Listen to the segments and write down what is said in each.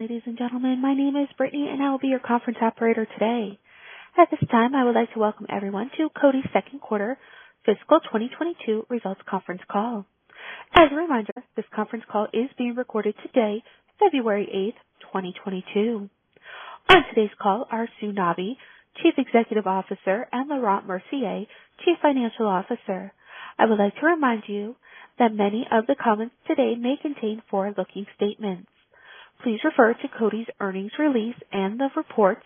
Ladies and gentlemen, my name is Brittany, and I will be your conference operator today. At this time, I would like to welcome everyone to Coty's Second Quarter Fiscal 2022 Results Conference Call. As a reminder, this conference call is being recorded today, February 8, 2022. On today's call are Sue Nabi, Chief Executive Officer, and Laurent Mercier, Chief Financial Officer. I would like to remind you that many of the comments today may contain forward-looking statements. Please refer to Coty's earnings release and the reports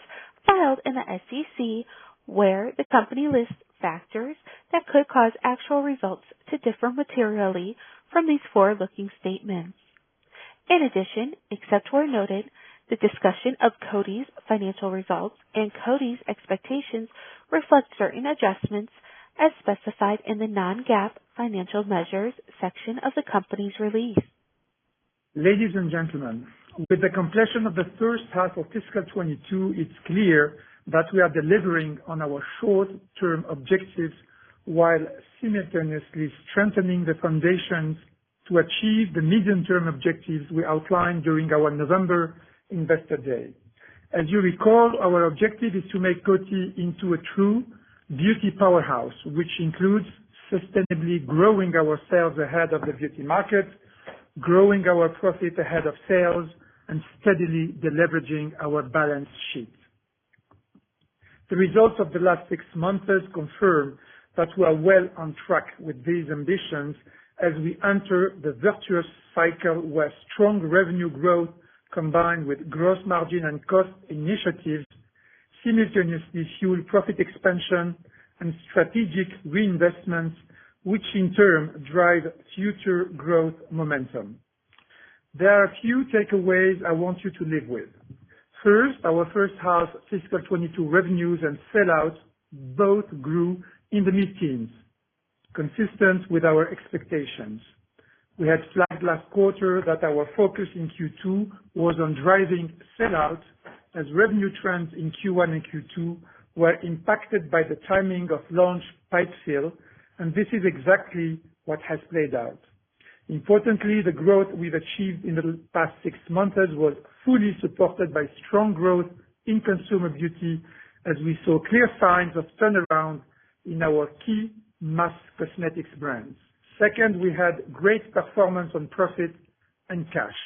filed in the SEC, where the company lists factors that could cause actual results to differ materially from these forward-looking statements. In addition, except where noted, the discussion of Coty's financial results and Coty's expectations reflect certain adjustments as specified in the non-GAAP financial measures section of the company's release. Ladies and gentlemen, with the completion of the first half of fiscal 2022, it's clear that we are delivering on our short-term objectives while simultaneously strengthening the foundations to achieve the medium-term objectives we outlined during our November investor day. As you recall, our objective is to make Coty into a true beauty powerhouse, which includes sustainably growing our sales ahead of the beauty market, growing our profit ahead of sales, and steadily deleveraging our balance sheet. The results of the last six months has confirmed that we are well on track with these ambitions as we enter the virtuous cycle where strong revenue growth, combined with gross margin and cost initiatives, simultaneously fuel profit expansion and strategic reinvestments, which in turn drive future growth momentum. There are a few takeaways I want you to leave with. First, our first half FY 2022 revenues and sell-outs both grew in the mid-teens, consistent with our expectations. We had flagged last quarter that our focus in Q2 was on driving sell-outs as revenue trends in Q1 and Q2 were impacted by the timing of launch pipe fill, and this is exactly what has played out. Importantly, the growth we've achieved in the past six months was fully supported by strong growth in consumer beauty as we saw clear signs of turnaround in our key mass cosmetics brands. Second, we had great performance on profit and cash.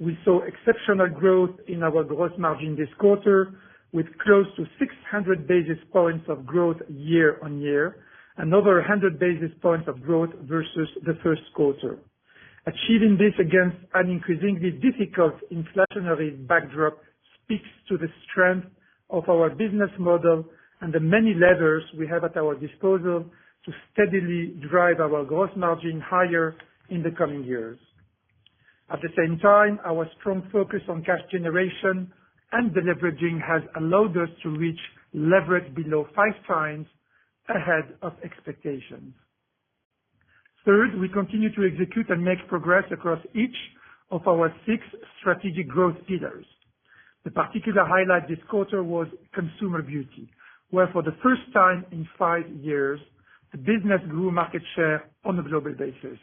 We saw exceptional growth in our gross margin this quarter, with close to 600 basis points of growth year-on-year, another 100 basis points of growth versus the first quarter. Achieving this against an increasingly difficult inflationary backdrop speaks to the strength of our business model and the many levers we have at our disposal to steadily drive our gross margin higher in the coming years. At the same time, our strong focus on cash generation and deleveraging has allowed us to reach leverage below five times ahead of expectations. Third, we continue to execute and make progress across each of our six strategic growth pillars. The particular highlight this quarter was consumer beauty, where for the first time in five years, the business grew market share on a global basis.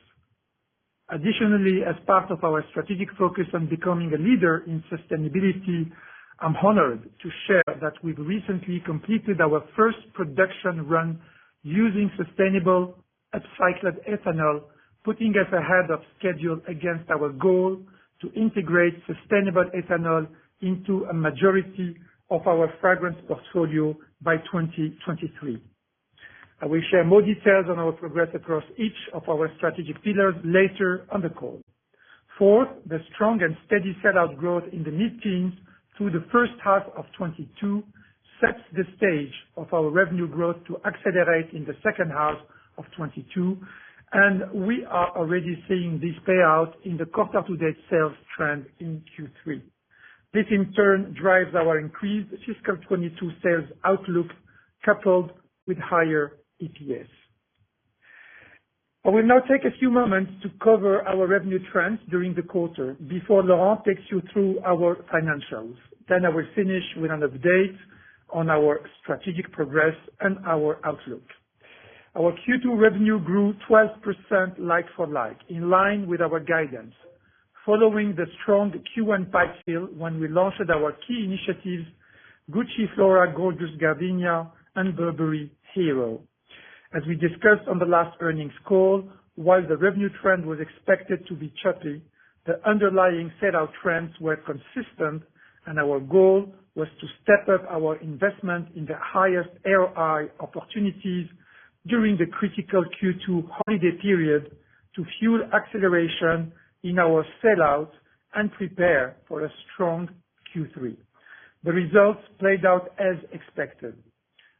Additionally, as part of our strategic focus on becoming a leader in sustainability, I'm honored to share that we've recently completed our first production run using sustainable upcycled ethanol, putting us ahead of schedule against our goal to integrate sustainable ethanol into a majority of our fragrance portfolio by 2023. I will share more details on our progress across each of our strategic pillars later on the call. Fourth, the strong and steady sell-out growth in the mid-teens through the first half of 2022 sets the stage for our revenue growth to accelerate in the second half of 2022, and we are already seeing this play out in the quarter-to-date sales trend in Q3. This in turn drives our increased fiscal 2022 sales outlook, coupled with higher EPS. I will now take a few moments to cover our revenue trends during the quarter before Laurent takes you through our financials, then I will finish with an update on our strategic progress and our outlook. Our Q2 revenue grew 12% like-for-like in line with our guidance following the strong Q1 pipe fill when we launched our key initiatives, Gucci Flora Gorgeous Gardenia and Burberry Hero. As we discussed on the last earnings call, while the revenue trend was expected to be choppy, the underlying sell-out trends were consistent and our goal was to step up our investment in the highest ROI opportunities during the critical Q2 holiday period to fuel acceleration in our sell-out and prepare for a strong Q3. The results played out as expected.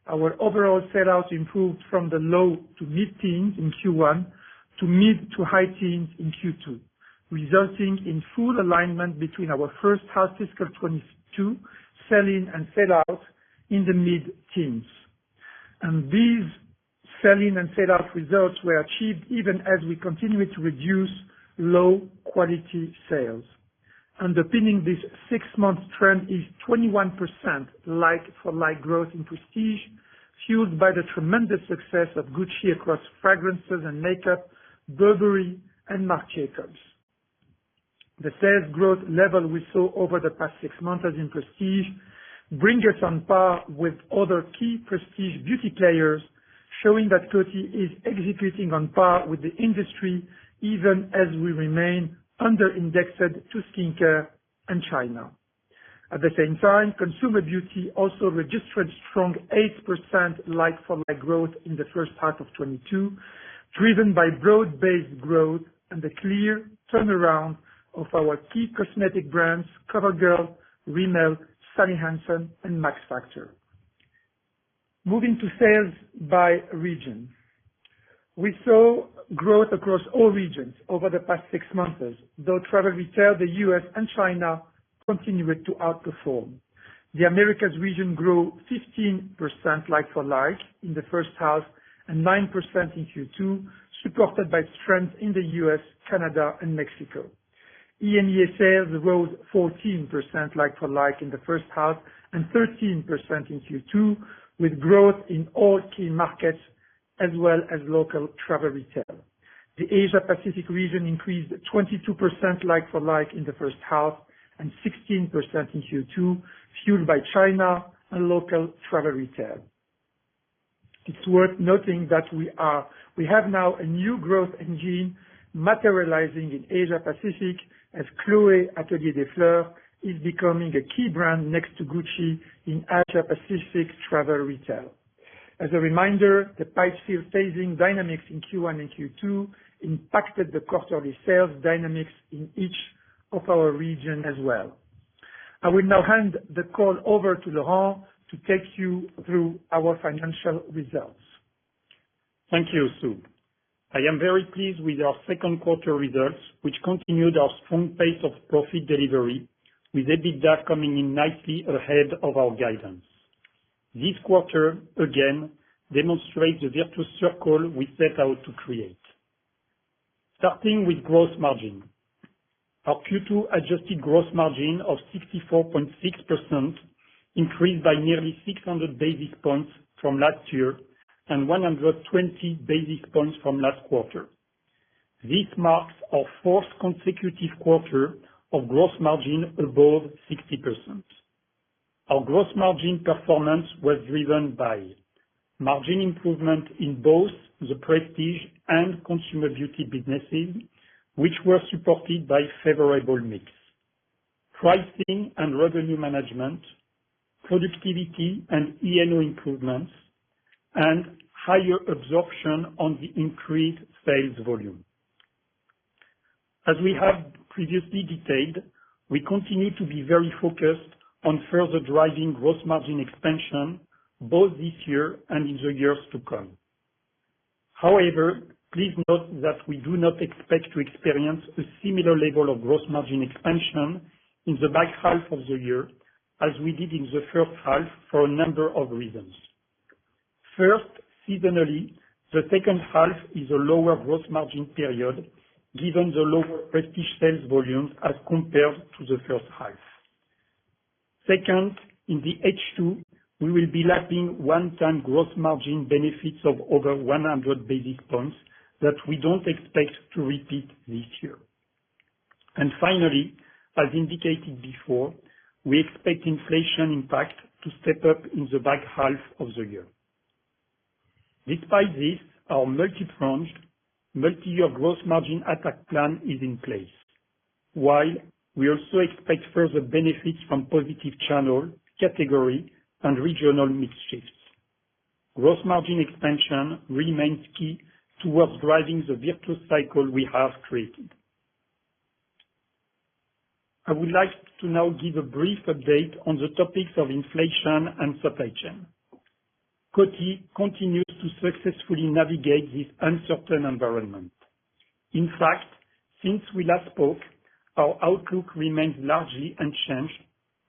Our overall sell-out improved from the low-to-mid-teens% in Q1 to mid-to-high-teens% in Q2, resulting in full alignment between our first half fiscal 2022 sell-in and sell-out in the mid-teens%. These sell-in and sell-out results were achieved even as we continued to reduce low-quality sales. Underpinning this six-month trend is 21% like-for-like growth in Prestige, fueled by the tremendous success of Gucci across fragrances and makeup, Burberry and Marc Jacobs. The sales growth level we saw over the past six months in Prestige brings us on par with other key Prestige beauty players, showing that Coty is executing on par with the industry, even as we remain under-indexed to skincare and China. At the same time, consumer beauty also registered strong 8% like-for-like growth in the first half of 2022, driven by broad-based growth and the clear turnaround of our key cosmetic brands CoverGirl, Rimmel, Sally Hansen, and Max Factor. Moving to sales by region. We saw growth across all regions over the past six months, though travel retail, the U.S., and China continued to outperform. The Americas region grew 15% like-for-like in the first half and 9% in Q2, supported by strength in the U.S., Canada, and Mexico. EAME sales rose 14% like-for-like in the first half and 13% in Q2, with growth in all key markets as well as local travel retail. The Asia Pacific region increased 22% like-for-like in the first half and 16% in Q2, fueled by China and local travel retail. It's worth noting that we have now a new growth engine materializing in Asia Pacific as Chloé Atelier des Fleurs is becoming a key brand next to Gucci in Asia Pacific travel retail. As a reminder, the pipe fill phasing dynamics in Q1 and Q2 impacted the quarterly sales dynamics in each of our regions as well. I will now hand the call over to Laurent to take you through our financial results. Thank you, Sue. I am very pleased with our second quarter results, which continued our strong pace of profit delivery with EBITDA coming in nicely ahead of our guidance. This quarter, again, demonstrates the virtuous circle we set out to create. Starting with gross margin. Our Q2 adjusted gross margin of 64.6% increased by nearly 600 basis points from last year and 120 basis points from last quarter. This marks our fourth consecutive quarter of gross margin above 60%. Our gross margin performance was driven by margin improvement in both the Prestige and Consumer Beauty businesses, which were supported by favorable mix, pricing and revenue management, productivity and E&O improvements, and higher absorption on the increased sales volume. As we have previously detailed, we continue to be very focused on further driving gross margin expansion both this year and in the years to come. However, please note that we do not expect to experience a similar level of gross margin expansion in the back half of the year as we did in the first half for a number of reasons. First, seasonally, the second half is a lower gross margin period given the lower prestige sales volumes as compared to the first half. Second, in the H2, we will be lapping one-time gross margin benefits of over 100 basis points that we don't expect to repeat this year. Finally, as indicated before, we expect inflation impact to step up in the back half of the year. Despite this, our multi-pronged, multi-year gross margin attack plan is in place, while we also expect further benefits from positive channel, category, and regional mix shifts. Gross margin expansion remains key towards driving the virtuous cycle we have created. I would like to now give a brief update on the topics of inflation and supply chain. Coty continues to successfully navigate this uncertain environment. In fact, since we last spoke, our outlook remains largely unchanged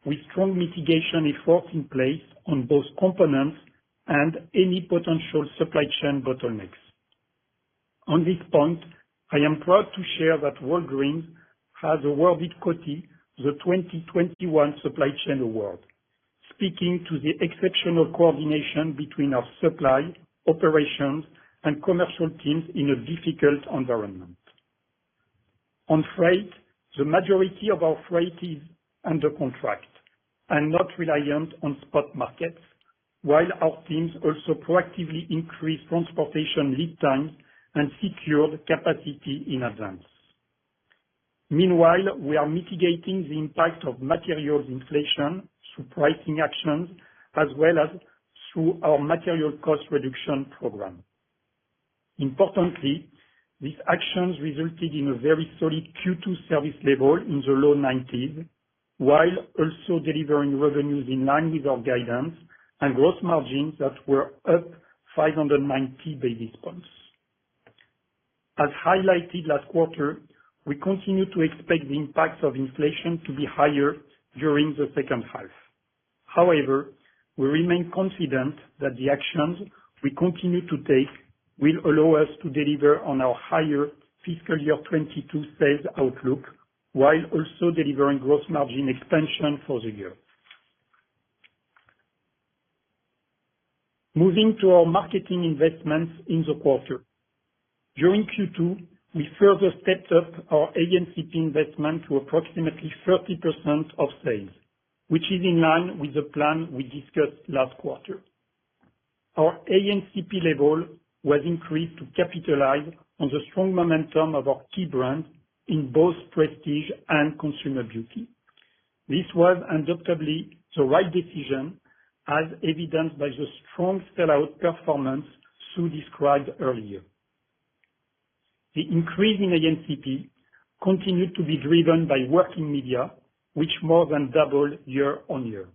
with strong mitigation efforts in place on both components and any potential supply chain bottlenecks. On this point, I am proud to share that Walgreens has awarded Coty the 2021 Supply Chain Award, speaking to the exceptional coordination between our supply, operations, and commercial teams in a difficult environment. On freight, the majority of our freight is under contract and not reliant on spot markets, while our teams also proactively increased transportation lead times and secured capacity in advance. Meanwhile, we are mitigating the impact of materials inflation through pricing actions as well as through our material cost reduction program. Importantly, these actions resulted in a very solid Q2 service level in the low 90s, while also delivering revenues in line with our guidance and gross margins that were up 590 basis points. As highlighted last quarter, we continue to expect the impacts of inflation to be higher during the second half. However, we remain confident that the actions we continue to take will allow us to deliver on our higher fiscal year 2022 sales outlook while also delivering gross margin expansion for the year. Moving to our marketing investments in the quarter. During Q2, we further stepped up our ANCP investment to approximately 30% of sales, which is in line with the plan we discussed last quarter. Our ANCP level was increased to capitalize on the strong momentum of our key brands in both prestige and consumer beauty. This was undoubtedly the right decision, as evidenced by the strong sell-out performance Sue described earlier. The increase in ANCP continued to be driven by working media, which more than doubled year-on-year.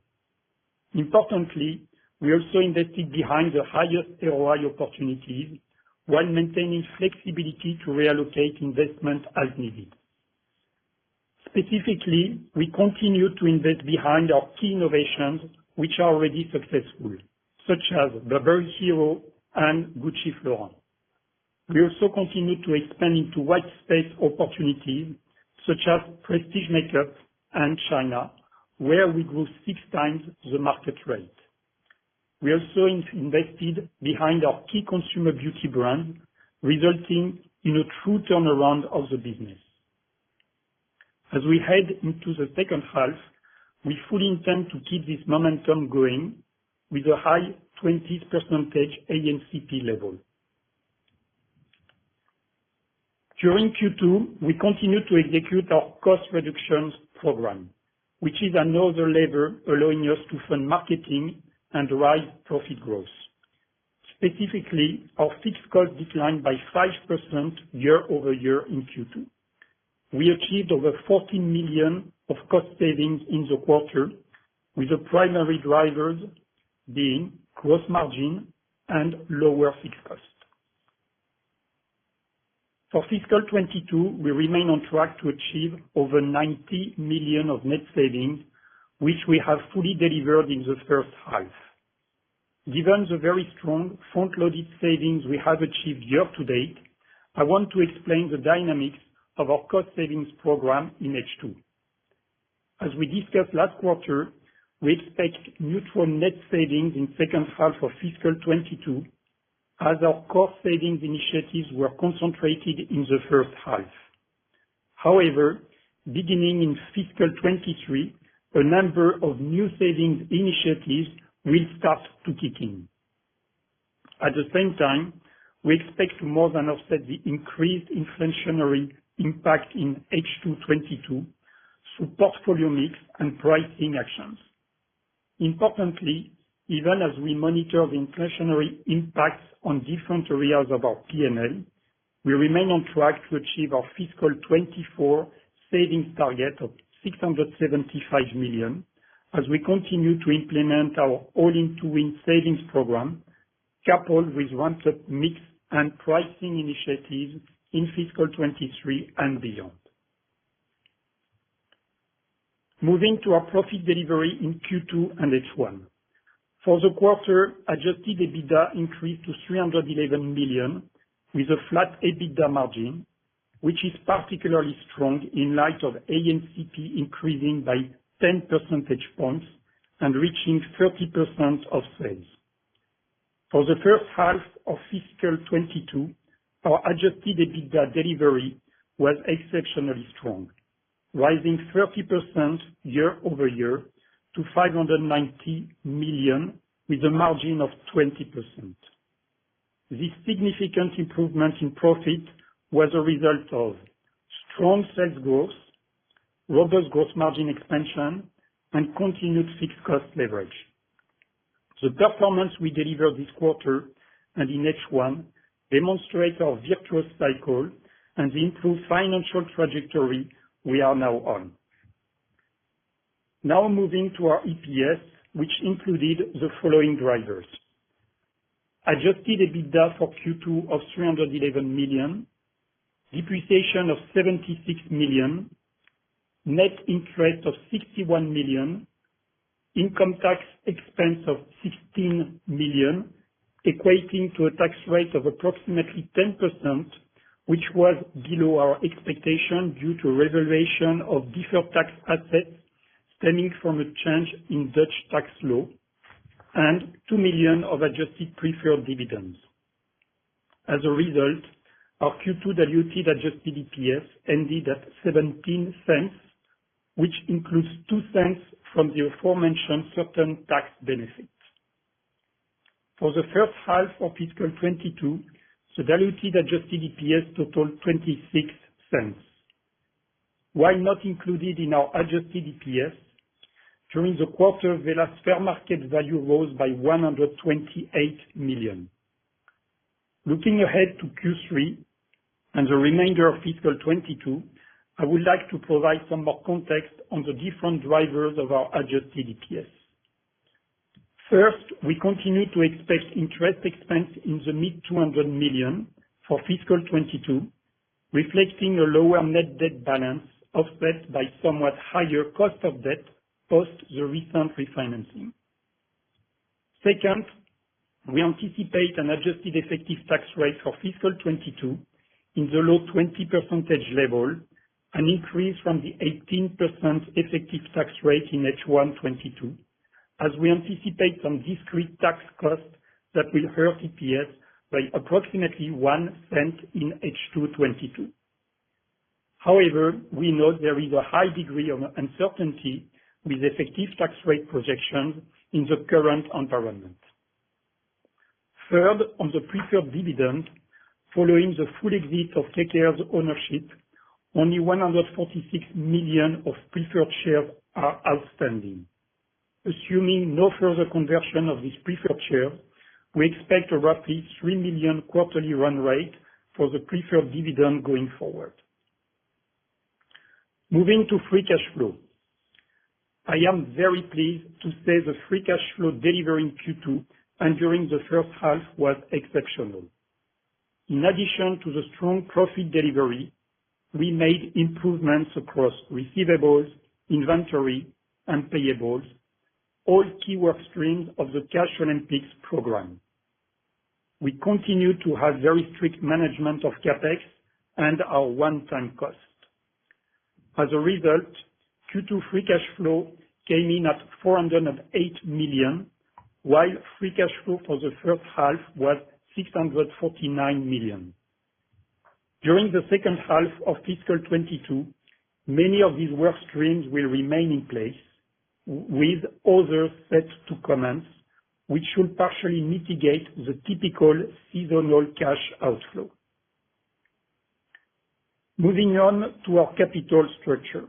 Importantly, we also invested behind the highest ROI opportunities while maintaining flexibility to reallocate investment as needed. Specifically, we continue to invest behind our key innovations which are already successful, such as Burberry Hero and Gucci Flora. We also continue to expand into white space opportunities such as prestige makeup and China, where we grew six times the market rate. We also invested behind our key Consumer Beauty brand, resulting in a true turnaround of the business. As we head into the second half, we fully intend to keep this momentum going with a high 20% ANCP level. During Q2, we continued to execute our cost reductions program, which is another lever allowing us to fund marketing and drive profit growth. Specifically, our fixed cost declined by 5% year-over-year in Q2. We achieved over $14 million of cost savings in the quarter, with the primary drivers being gross margin and lower fixed costs. For fiscal 2022, we remain on track to achieve over $90 million of net savings, which we have fully delivered in the first half. Given the very strong front-loaded savings we have achieved year to date, I want to explain the dynamics of our cost savings program in H2. As we discussed last quarter, we expect neutral net savings in second half of fiscal 2022, as our cost savings initiatives were concentrated in the first half. However, beginning in fiscal 2023, a number of new savings initiatives will start to kick in. At the same time, we expect to more than offset the increased inflationary impact in H2 2022 through portfolio mix and pricing actions. Importantly, even as we monitor the inflationary impacts on different areas of our P&L, we remain on track to achieve our fiscal 2024 savings target of $675 million as we continue to implement our All In To Win savings program, coupled with one-time mix and pricing initiatives in fiscal 2023 and beyond. Moving to our profit delivery in Q2 and H1. For the quarter, adjusted EBITDA increased to $311 million, with a flat EBITDA margin, which is particularly strong in light of ANCP increasing by 10 percentage points and reaching 30% of sales. For the first half of fiscal 2022, our adjusted EBITDA delivery was exceptionally strong, rising 30% year-over-year to $590 million, with a margin of 20%. This significant improvement in profit was a result of strong sales growth, robust gross margin expansion, and continued fixed cost leverage. The performance we delivered this quarter and in H1 demonstrate our virtuous cycle and the improved financial trajectory we are now on. Now moving to our EPS, which included the following drivers: adjusted EBITDA for Q2 of $311 million, depreciation of $76 million, net interest of $61 million, income tax expense of $16 million, equating to a tax rate of approximately 10%, which was below our expectation due to reservation of deferred tax assets stemming from a change in Dutch tax law, and $2 million of adjusted preferred dividends. As a result, our Q2 diluted adjusted EPS ended at $0.17, which includes $0.02 from the aforementioned certain tax benefits. For the first half of FY 2022, the diluted adjusted EPS totaled $0.26. While not included in our adjusted EPS, during the quarter, Wella's fair market value rose by $128 million. Looking ahead to Q3 and the remainder of fiscal 2022, I would like to provide some more context on the different drivers of our adjusted EPS. First, we continue to expect interest expense in the mid-$200 million for fiscal 2022, reflecting a lower net debt balance offset by somewhat higher cost of debt post the recent refinancing. Second, we anticipate an adjusted effective tax rate for fiscal 2022 in the low 20% level. An increase from the 18% effective tax rate in H1 2022, as we anticipate some discrete tax costs that will hurt EPS by approximately $0.01 in H2 2022. However, we know there is a high degree of uncertainty with effective tax rate projections in the current environment. Third, on the preferred dividend, following the full exit of KKR's ownership, only 146 million of preferred shares are outstanding. Assuming no further conversion of these preferred shares, we expect a roughly $3 million quarterly run rate for the preferred dividend going forward. Moving to free cash flow. I am very pleased to say the free cash flow delivery in Q2 and during the first half was exceptional. In addition to the strong profit delivery, we made improvements across receivables, inventory, and payables, all key work streams of the Cash Olympics program. We continue to have very strict management of CapEx and our one-time costs. As a result, Q2 free cash flow came in at $408 million, while free cash flow for the first half was $649 million. During the second half of fiscal 2022, many of these work streams will remain in place with others set to commence, which should partially mitigate the typical seasonal cash outflow. Moving on to our capital structure.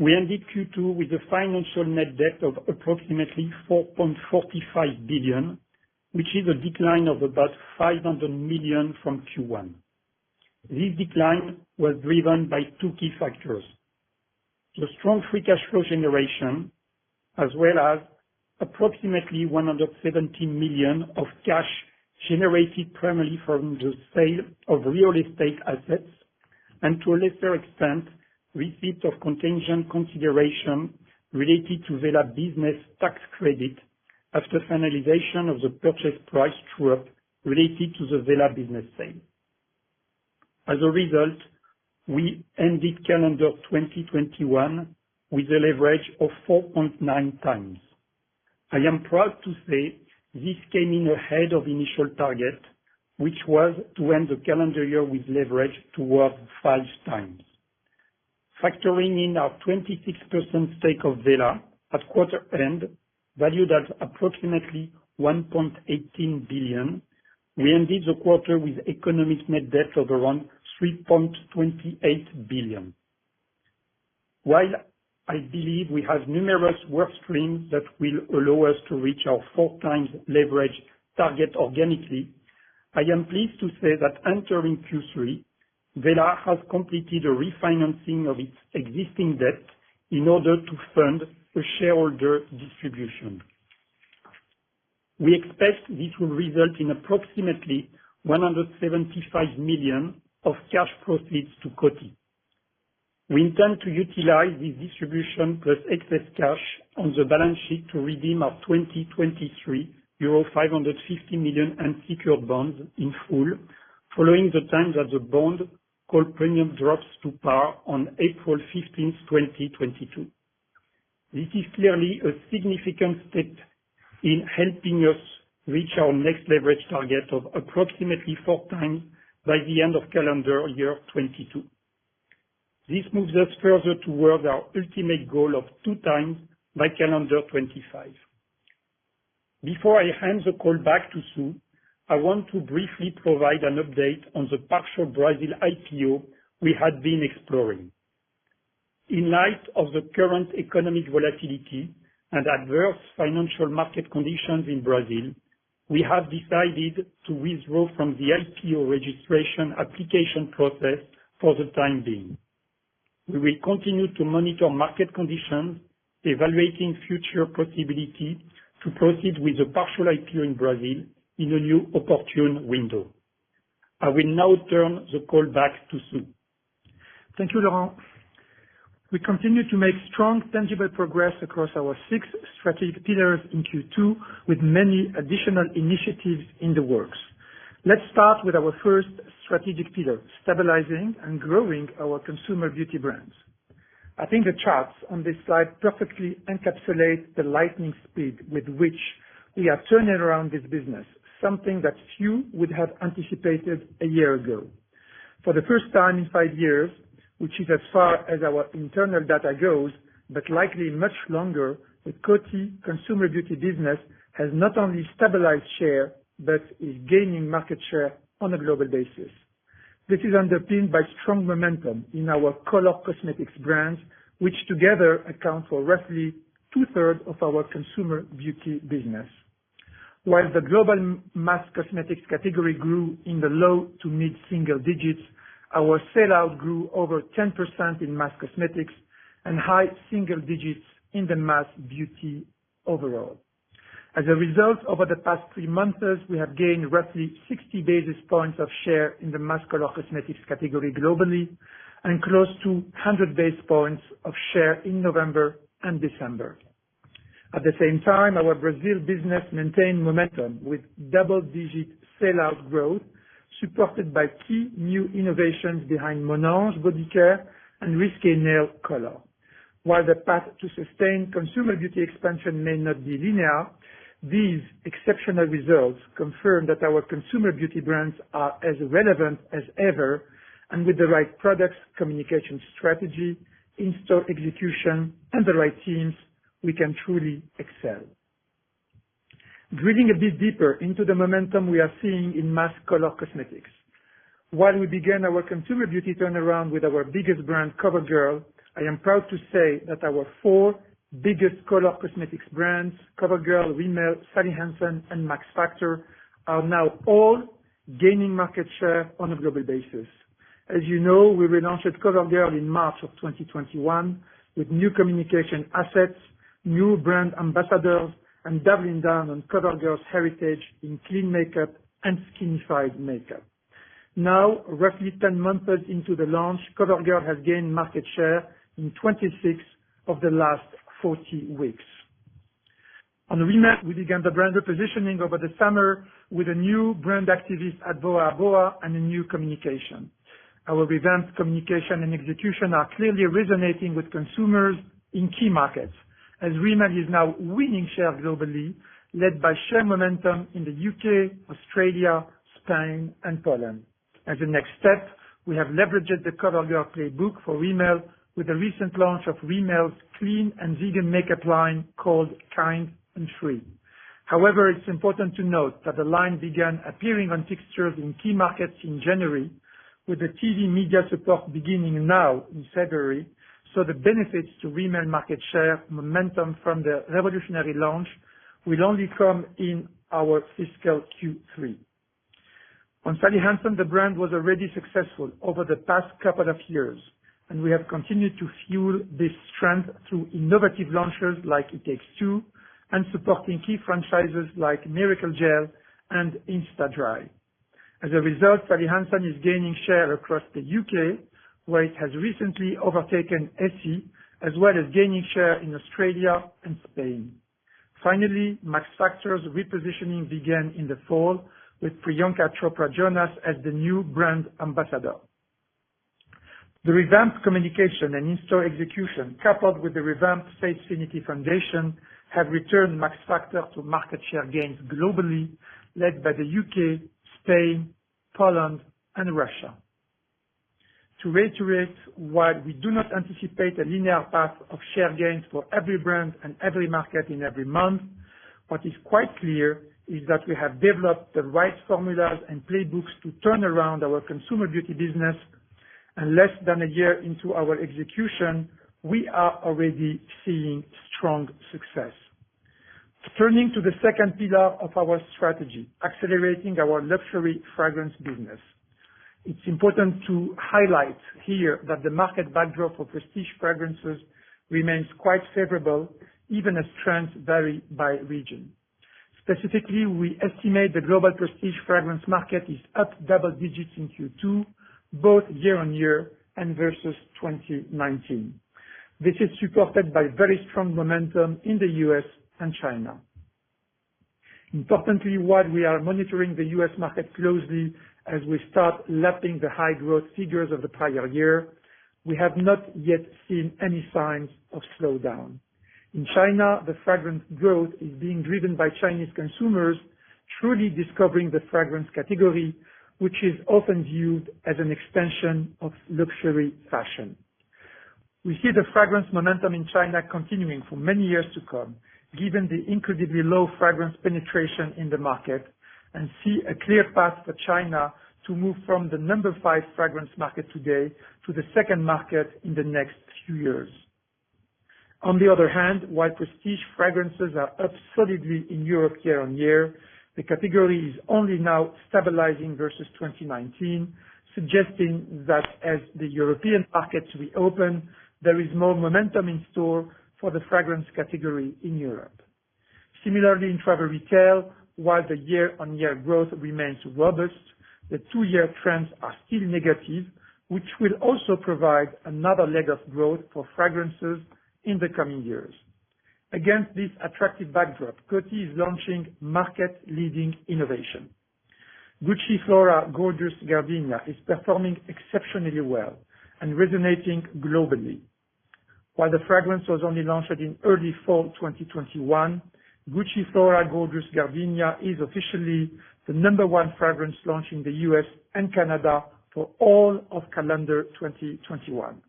We ended Q2 with a financial net debt of approximately $4.45 billion, which is a decline of about $500 million from Q1. This decline was driven by two key factors, the strong free cash flow generation, as well as approximately $117 million of cash generated primarily from the sale of real estate assets, and to a lesser extent, receipt of contingent consideration related to Wella Business tax credit after finalization of the purchase price draw related to the Wella Business sale. As a result, we ended calendar 2021 with a leverage of 4.9 times. I am proud to say this came in ahead of initial target, which was to end the calendar year with leverage towards five times. Factoring in our 26% stake of Wella at quarter end, valued at approximately $1.18 billion, we ended the quarter with economic net debt of around $3.28 billion. While I believe we have numerous work streams that will allow us to reach our 4x leverage target organically, I am pleased to say that entering Q3, Wella has completed a refinancing of its existing debt in order to fund a shareholder distribution. We expect this will result in approximately $175 million of cash proceeds to Coty. We intend to utilize this distribution plus excess cash on the balance sheet to redeem our 2023 550 million unsecured bonds in full following the time that the bond call premium drops to par on April fifteenth, 2022. This is clearly a significant step in helping us reach our next leverage target of approximately 4x by the end of calendar year 2022. This moves us further towards our ultimate goal of 2x by calendar 2025. Before I hand the call back to Sue, I want to briefly provide an update on the partial Brazil IPO we had been exploring. In light of the current economic volatility and adverse financial market conditions in Brazil, we have decided to withdraw from the IPO registration application process for the time being. We will continue to monitor market conditions, evaluating future possibility to proceed with the partial IPO in Brazil in a new opportune window. I will now turn the call back to Sue. Thank you, Laurent. We continue to make strong tangible progress across our six strategic pillars in Q2, with many additional initiatives in the works. Let's start with our first strategic pillar, stabilizing and growing our Consumer Beauty brands. I think the charts on this slide perfectly encapsulate the lightning speed with which we are turning around this business, something that few would have anticipated a year ago. For the first time in five years, which is as far as our internal data goes, but likely much longer, the Coty Consumer Beauty business has not only stabilized share but is gaining market share on a global basis. This is underpinned by strong momentum in our color cosmetics brands, which together account for roughly two-thirds of our Consumer Beauty business. While the global mass cosmetics category grew in the low- to mid-single-digit %, our sell-out grew over 10% in mass cosmetics and high single-digit % in the mass beauty overall. As a result, over the past three months, we have gained roughly 60 basis points of share in the mass color cosmetics category globally, and close to 100 basis points of share in November and December. At the same time, our Brazil business maintained momentum with double-digit % sell-out growth, supported by key new innovations behind Monange body care and Risqué nail color. While the path to sustain consumer beauty expansion may not be linear, these exceptional results confirm that our consumer beauty brands are as relevant as ever, and with the right products, communication strategy, in-store execution, and the right teams, we can truly excel. Drilling a bit deeper into the momentum we are seeing in mass color cosmetics. While we began our consumer beauty turnaround with our biggest brand, CoverGirl, I am proud to say that our four biggest color cosmetics brands, CoverGirl, Rimmel, Sally Hansen, and Max Factor, are now all gaining market share on a global basis. As you know, we relaunched CoverGirl in March of 2021 with new communication assets, new brand ambassadors, and doubling down on CoverGirl's heritage in clean makeup and skin-fied makeup. Now, roughly 10 months into the launch, CoverGirl has gained market share in 26 of the last 40 weeks. On Rimmel, we began the brand repositioning over the summer with a new brand activist Adwoa Aboah and a new communication. Our revamped communication and execution are clearly resonating with consumers in key markets, as Rimmel is now winning shares globally, led by share momentum in the U.K., Australia, Spain, and Poland. As a next step, we have leveraged the CoverGirl playbook for Rimmel with the recent launch of Rimmel's clean and vegan makeup line called Kind & Free. However, it's important to note that the line began appearing on fixtures in key markets in January, with the TV media support beginning now in February, so the benefits to Rimmel market share momentum from the revolutionary launch will only come in our fiscal Q3. On Sally Hansen, the brand was already successful over the past couple of years, and we have continued to fuel this trend through innovative launches like It Takes Two and supporting key franchises like Miracle Gel and Insta-Dri. As a result, Sally Hansen is gaining share across the U.K., where it has recently overtaken Essie, as well as gaining share in Australia and Spain. Finally, Max Factor's repositioning began in the fall with Priyanka Chopra Jonas as the new brand ambassador. The revamped communication and in-store execution, coupled with the revamped Facefinity Foundation, have returned Max Factor to market share gains globally, led by the U.K., Spain, Poland, and Russia. To reiterate, while we do not anticipate a linear path of share gains for every brand and every market in every month, what is quite clear is that we have developed the right formulas and playbooks to turn around our consumer beauty business, and less than a year into our execution, we are already seeing strong success. Turning to the second pillar of our strategy, accelerating our luxury fragrance business. It's important to highlight here that the market backdrop for prestige fragrances remains quite favorable, even as trends vary by region. Specifically, we estimate the global prestige fragrance market is up double digits in Q2, both year-on-year and versus 2019. This is supported by very strong momentum in the U.S. and China. Importantly, while we are monitoring the U.S. market closely as we start lapping the high growth figures of the prior year, we have not yet seen any signs of slowdown. In China, the fragrance growth is being driven by Chinese consumers truly discovering the fragrance category, which is often viewed as an extension of luxury fashion. We see the fragrance momentum in China continuing for many years to come, given the incredibly low fragrance penetration in the market and see a clear path for China to move from the number five fragrance market today to the second market in the next few years. On the other hand, while prestige fragrances are up solidly in Europe year-on-year, the category is only now stabilizing versus 2019, suggesting that as the European markets reopen, there is more momentum in store for the fragrance category in Europe. Similarly, in travel retail, while the year-on-year growth remains robust, the two-year trends are still negative, which will also provide another leg of growth for fragrances in the coming years. Against this attractive backdrop, Coty is launching market-leading innovation. Gucci Flora Gorgeous Gardenia is performing exceptionally well and resonating globally. While the fragrance was only launched in early fall 2021, Gucci Flora Gorgeous Gardenia is officially the number one fragrance launch in the U.S. and Canada for all of calendar 2021.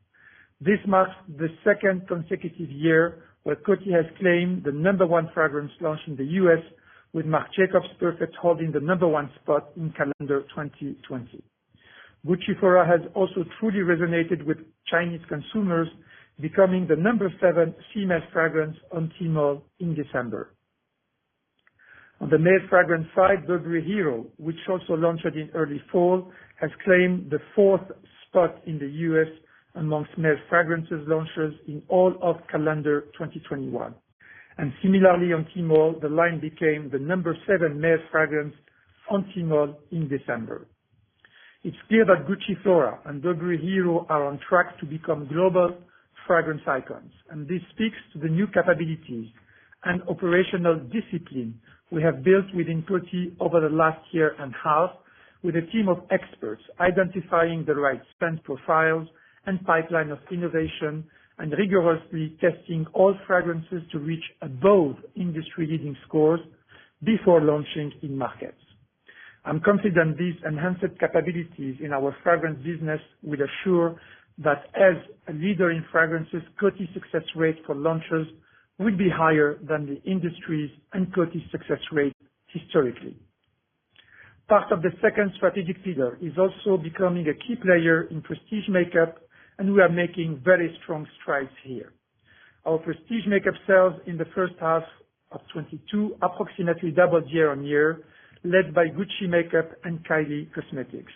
This marks the second consecutive year where Coty has claimed the number one fragrance launch in the U.S. with Marc Jacobs Perfect holding the number one spot in calendar 2020. Gucci Flora has also truly resonated with Chinese consumers, becoming the number seven female fragrance on Tmall in December. On the male fragrance side, Burberry Hero, which also launched in early fall, has claimed the fourth spot in the U.S. amongst male fragrance launches in all of calendar 2021. Similarly on Tmall, the line became the number seven male fragrance on Tmall in December. It's clear that Gucci Flora and Burberry Hero are on track to become global fragrance icons, and this speaks to the new capabilities and operational discipline we have built within Coty over the last year and a half, with a team of experts identifying the right brand profiles and pipeline of innovation and rigorously testing all fragrances to reach above industry-leading scores before launching in markets. I'm confident these enhanced capabilities in our fragrance business will assure that as a leader in fragrances, Coty's success rate for launches will be higher than the industry's and Coty's success rate historically. Part of the second strategic pillar is also becoming a key player in prestige makeup, and we are making very strong strides here. Our prestige makeup sales in the first half of 2022 approximately doubled year-on-year, led by Gucci Makeup and Kylie Cosmetics.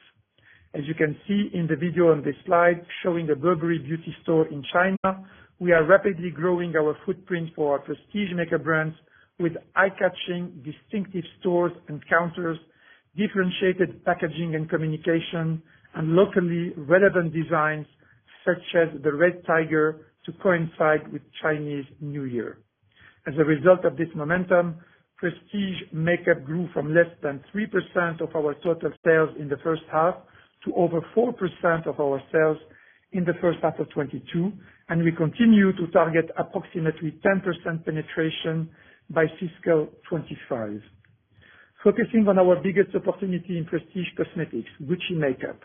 As you can see in the video on this slide showing the Burberry Beauty store in China, we are rapidly growing our footprint for our prestige makeup brands with eye-catching distinctive stores and counters, differentiated packaging and communication, and locally relevant designs such as the red tiger to coincide with Chinese New Year. As a result of this momentum, prestige makeup grew from less than 3% of our total sales in the first half to over 4% of our sales in the first half of 2022, and we continue to target approximately 10% penetration by fiscal 2025. Focusing on our biggest opportunity in prestige cosmetics, Gucci Makeup,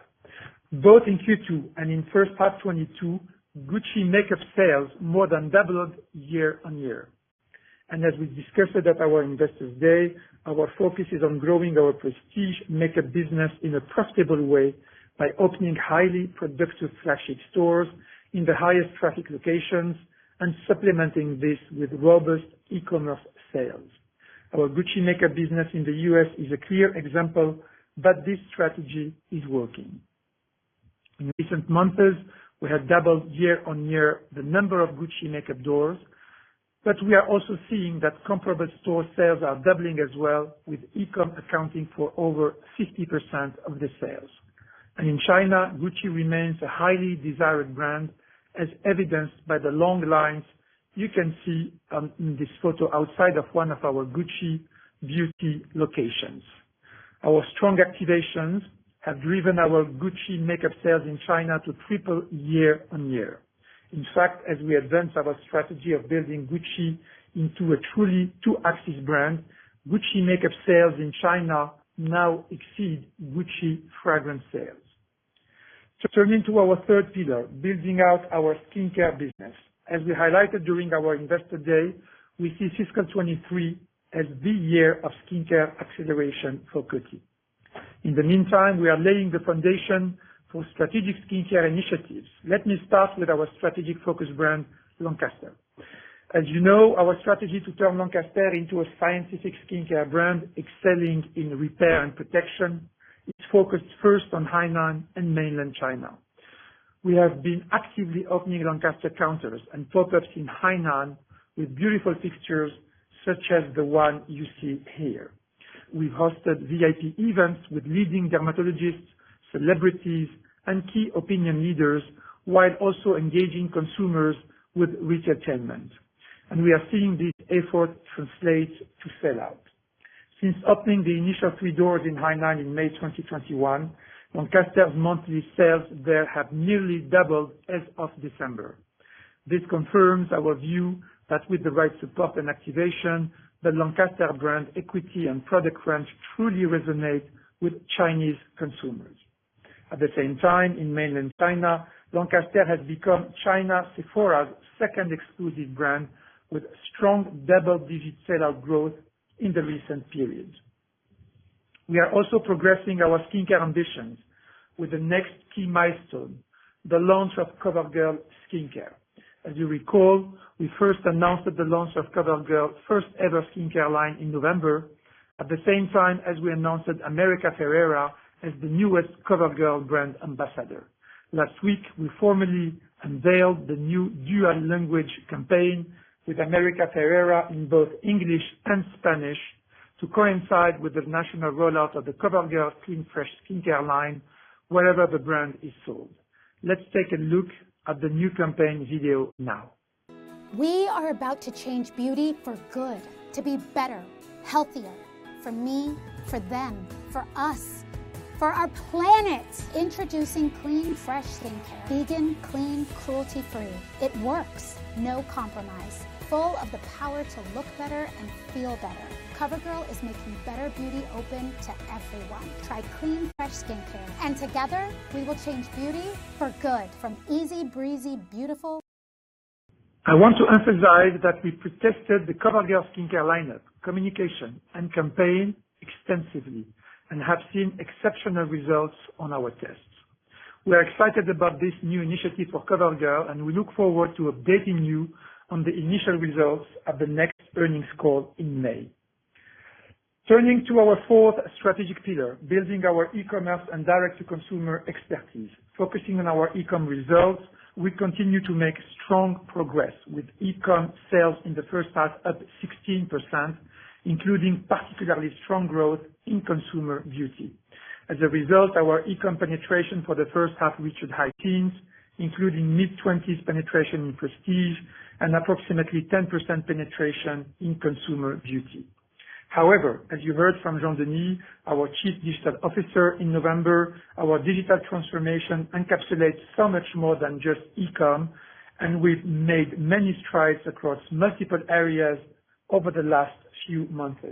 both in Q2 and in first half 2022, Gucci Makeup sales more than doubled year-on-year. As we discussed it at our Investors Day, our focus is on growing our prestige makeup business in a profitable way by opening highly productive flagship stores in the highest traffic locations and supplementing this with robust e-commerce sales. Our Gucci Makeup business in the U.S. is a clear example that this strategy is working. In recent months, we have doubled year-over-year the number of Gucci Makeup doors, but we are also seeing that comparable store sales are doubling as well, with e-com accounting for over 50% of the sales. In China, Gucci remains a highly desired brand, as evidenced by the long lines you can see, in this photo outside of one of our Gucci Beauty locations. Our strong activations have driven our Gucci Makeup sales in China to triple year-over-year. In fact, as we advance our strategy of building Gucci into a truly two-axis brand, Gucci Makeup sales in China now exceed Gucci fragrance sales. To turn into our third pillar, building out our skincare business. As we highlighted during our Investor Day, we see fiscal 2023 as the year of skincare acceleration for Coty. In the meantime, we are laying the foundation for strategic skincare initiatives. Let me start with our strategic focus brand, Lancaster. As you know, our strategy to turn Lancaster into a scientific skincare brand excelling in repair and protection is focused first on Hainan and mainland China. We have been actively opening Lancaster counters and pop-ups in Hainan with beautiful fixtures such as the one you see here. We've hosted VIP events with leading dermatologists, celebrities, and key opinion leaders, while also engaging consumers with retail animation. We are seeing this effort translate to sell-out. Since opening the initial three doors in Hainan in May 2021, Lancaster's monthly sales there have nearly doubled as of December. This confirms our view that with the right support and activation, the Lancaster brand equity and product range truly resonate with Chinese consumers. At the same time, in mainland China, Lancaster has become Sephora China's second exclusive brand with strong double-digit sell-out growth in the recent period. We are also progressing our skincare ambitions with the next key milestone, the launch of COVERGIRL Skincare. As you recall, we first announced the launch of COVERGIRL first ever skincare line in November, at the same time as we announced America Ferrera as the newest COVERGIRL brand ambassador. Last week, we formally unveiled the new dual language campaign with America Ferrera in both English and Spanish to coincide with the national rollout of the COVERGIRL Clean Fresh Skincare line wherever the brand is sold. Let's take a look at the new campaign video now. We are about to change beauty for good, to be better, healthier for me, for them, for us, for our planet. Introducing Clean Fresh Skincare. Vegan, clean, cruelty-free. It works. No compromise. Full of the power to look better and feel better. COVERGIRL is making better beauty open to everyone. Try Clean Fresh Skincare, and together we will change beauty for good. From easy, breezy, beautiful- I want to emphasize that we pre-tested the CoverGirl Skincare lineup, communication, and campaign extensively and have seen exceptional results on our tests. We are excited about this new initiative for CoverGirl, and we look forward to updating you on the initial results at the next earnings call in May. Turning to our fourth strategic pillar, building our e-commerce and direct to consumer expertise. Focusing on our e-com results, we continue to make strong progress with e-com sales in the first half up 16%, including particularly strong growth in consumer beauty. As a result, our e-com penetration for the first half reached high teens, including mid-twenties penetration in prestige and approximately 10% penetration in consumer beauty. However, as you heard from Jean-Denis, our Chief Digital Officer, in November, our digital transformation encapsulates so much more than just e-com, and we've made many strides across multiple areas over the last few months.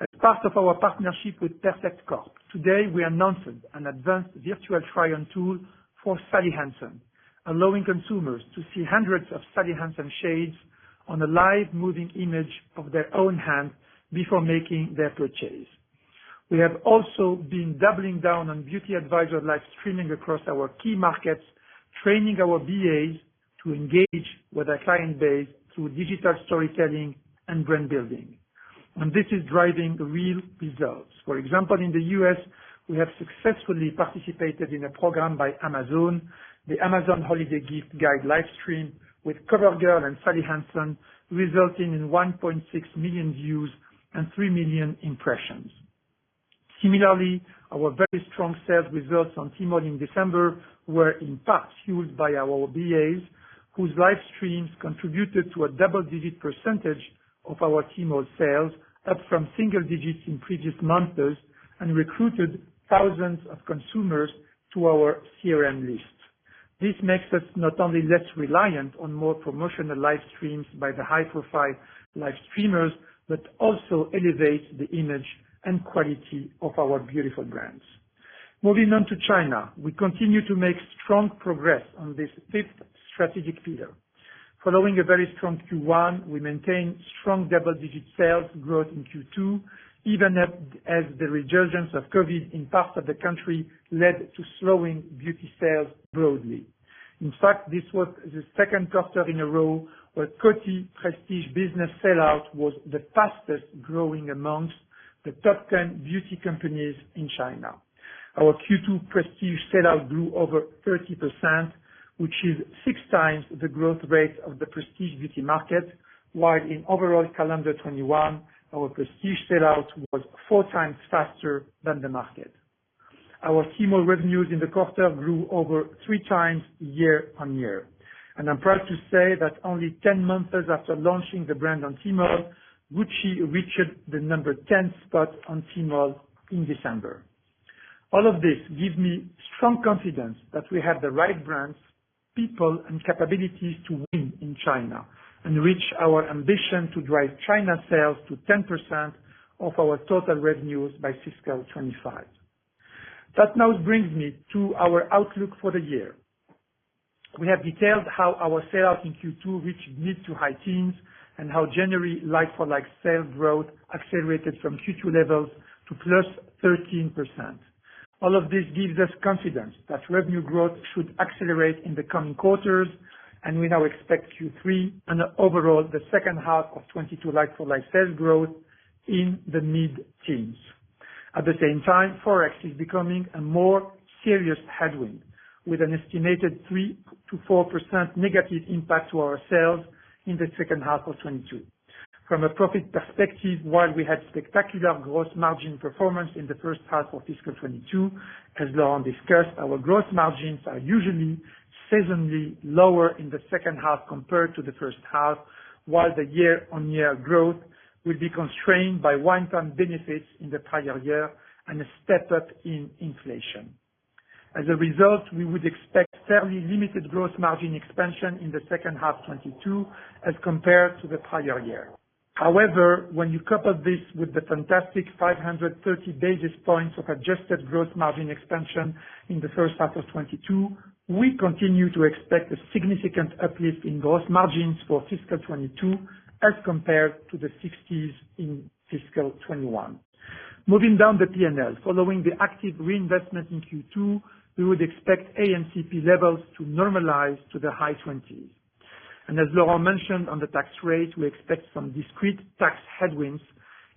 As part of our partnership with Perfect Corp, today we announced an advanced virtual try-on tool for Sally Hansen, allowing consumers to see hundreds of Sally Hansen shades on a live moving image of their own hands before making their purchase. We have also been doubling down on beauty advisor live streaming across our key markets, training our BAs to engage with our client base through digital storytelling and brand building. This is driving real results. For example, in the U.S., we have successfully participated in a program by Amazon, the Amazon Holiday Gift Guide livestream with CoverGirl and Sally Hansen, resulting in 1.6 million views and 3 million impressions. Similarly, our very strong sales results on Tmall in December were in part fueled by our BAs, whose live streams contributed to a double-digit % of our Tmall sales, up from single-digit % in previous months, and recruited thousands of consumers to our CRM list. This makes us not only less reliant on more promotional live streams by the high-profile live streamers, but also elevates the image and quality of our beautiful brands. Moving on to China. We continue to make strong progress on this fifth strategic pillar. Following a very strong Q1, we maintained strong double-digit sales growth in Q2, even as the resurgence of COVID in parts of the country led to slowing beauty sales broadly. In fact, this was the second quarter in a row where Coty Prestige business sellout was the fastest-growing among the top 10 beauty companies in China. Our Q2 prestige sellout grew over 30%, which is six times the growth rate of the prestige beauty market, while in overall calendar 2021, our prestige sellout was four times faster than the market. Our Tmall revenues in the quarter grew over three times year-on-year, and I'm proud to say that only 10 months after launching the brand on Tmall, Gucci reached the number 10 spot on Tmall in December. All of this gives me strong confidence that we have the right brands, people, and capabilities to win in China and reach our ambition to drive China sales to 10% of our total revenues by fiscal 2025. That now brings me to our outlook for the year. We have detailed how our sell-out in Q2 reached mid- to high-teens% and how January like-for-like sales growth accelerated from Q2 levels to +13%. All of this gives us confidence that revenue growth should accelerate in the coming quarters, and we now expect Q3 and overall the second half of 2022 like-for-like sales growth in the mid-teens. At the same time, Forex is becoming a more serious headwind, with an estimated 3%-4% negative impact to our sales in the second half of 2022. From a profit perspective, while we had spectacular gross margin performance in the first half of fiscal 2022, as Laurent Mercier discussed, our gross margins are usually seasonally lower in the second half compared to the first half, while the year-on-year growth will be constrained by one-time benefits in the prior year and a step up in inflation. As a result, we would expect fairly limited gross margin expansion in the second half 2022 as compared to the prior year. However, when you couple this with the fantastic 530 basis points of adjusted gross margin expansion in the first half of 2022, we continue to expect a significant uplift in gross margins for fiscal 2022 as compared to the 60s in fiscal 2021. Moving down the P&L. Following the active reinvestment in Q2, we would expect AMCP levels to normalize to the high 20s. As Laurent mentioned on the tax rate, we expect some discrete tax headwinds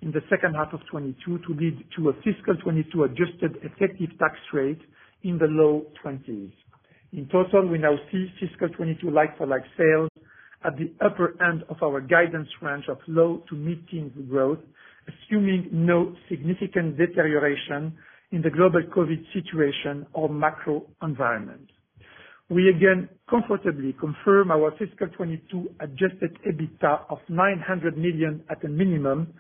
in the second half of 2022 to lead to a fiscal 2022 adjusted effective tax rate in the low 20s. In total, we now see fiscal 2022 like for like sales at the upper end of our guidance range of low- to mid-teens growth, assuming no significant deterioration in the global COVID situation or macro environment. We again comfortably confirm our fiscal 2022 adjusted EBITDA of $900 million at a minimum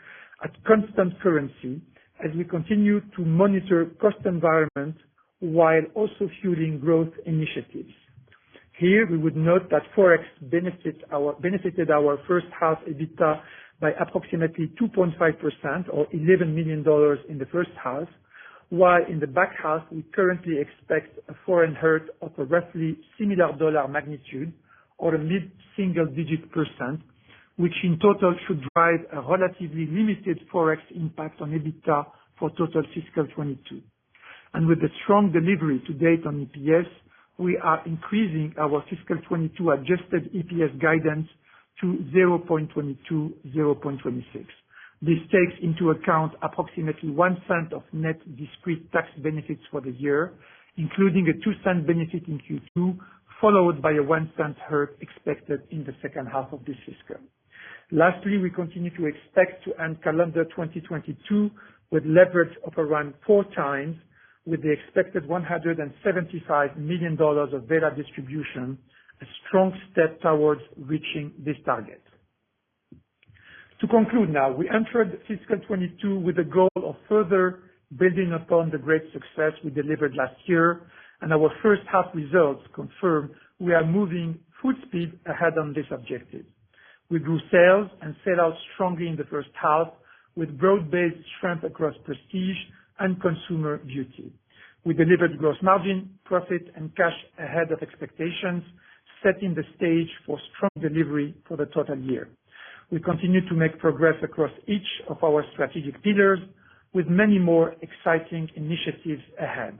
at constant currency as we continue to monitor cost environment while also fueling growth initiatives. Here we would note that Forex benefited our first half EBITDA by approximately 2.5% or $11 million in the first half, while in the back half we currently expect a Forex headwind of a roughly similar dollar magnitude or a mid-single-digit percent, which in total should drive a relatively limited Forex impact on EBITDA for total fiscal 2022. With the strong delivery to date on EPS, we are increasing our fiscal 2022 adjusted EPS guidance to 0.22-0.26. This takes into account approximately $0.01 of net discrete tax benefits for the year, including a $0.02 benefit in Q2, followed by a $0.01 hurt expected in the second half of this fiscal. Lastly, we continue to expect to end calendar 2022 with leverage of around 4x with the expected $175 million of debt reduction, a strong step towards reaching this target. To conclude now, we entered fiscal 2022 with the goal of further building upon the great success we delivered last year, and our first half results confirm we are moving full speed ahead on this objective. We grew sales and set out strongly in the first half with broad-based strength across prestige and consumer beauty. We delivered gross margin, profit and cash ahead of expectations, setting the stage for strong delivery for the total year. We continue to make progress across each of our strategic pillars with many more exciting initiatives ahead.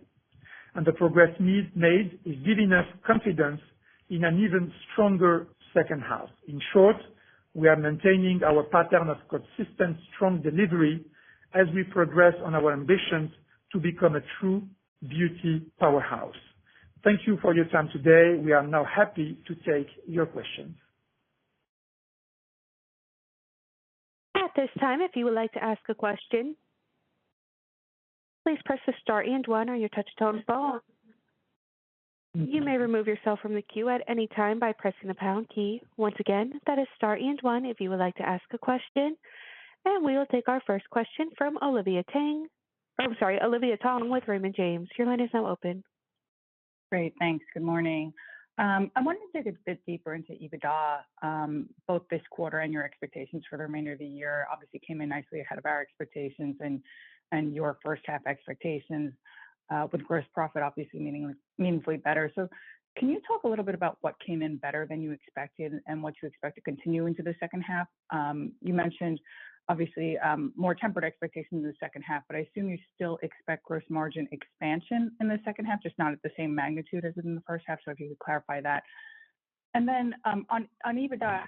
The progress made is giving us confidence in an even stronger second half. In short, we are maintaining our pattern of consistent, strong delivery as we progress on our ambitions to become a true beauty powerhouse. Thank you for your time today. We are now happy to take your questions. We will take our first question from Olivia Tong. Oh, sorry, Olivia Tong with Raymond James. Your line is now open. Great. Thanks. Good morning. I'm wondering if you could dig a bit deeper into EBITDA, both this quarter and your expectations for the remainder of the year. Obviously came in nicely ahead of our expectations and your first half expectations, with gross profit obviously meaningfully better. Can you talk a little bit about what came in better than you expected and what you expect to continue into the second half? You mentioned obviously more tempered expectations in the second half, but I assume you still expect gross margin expansion in the second half, just not at the same magnitude as in the first half. If you could clarify that. On EBITDA,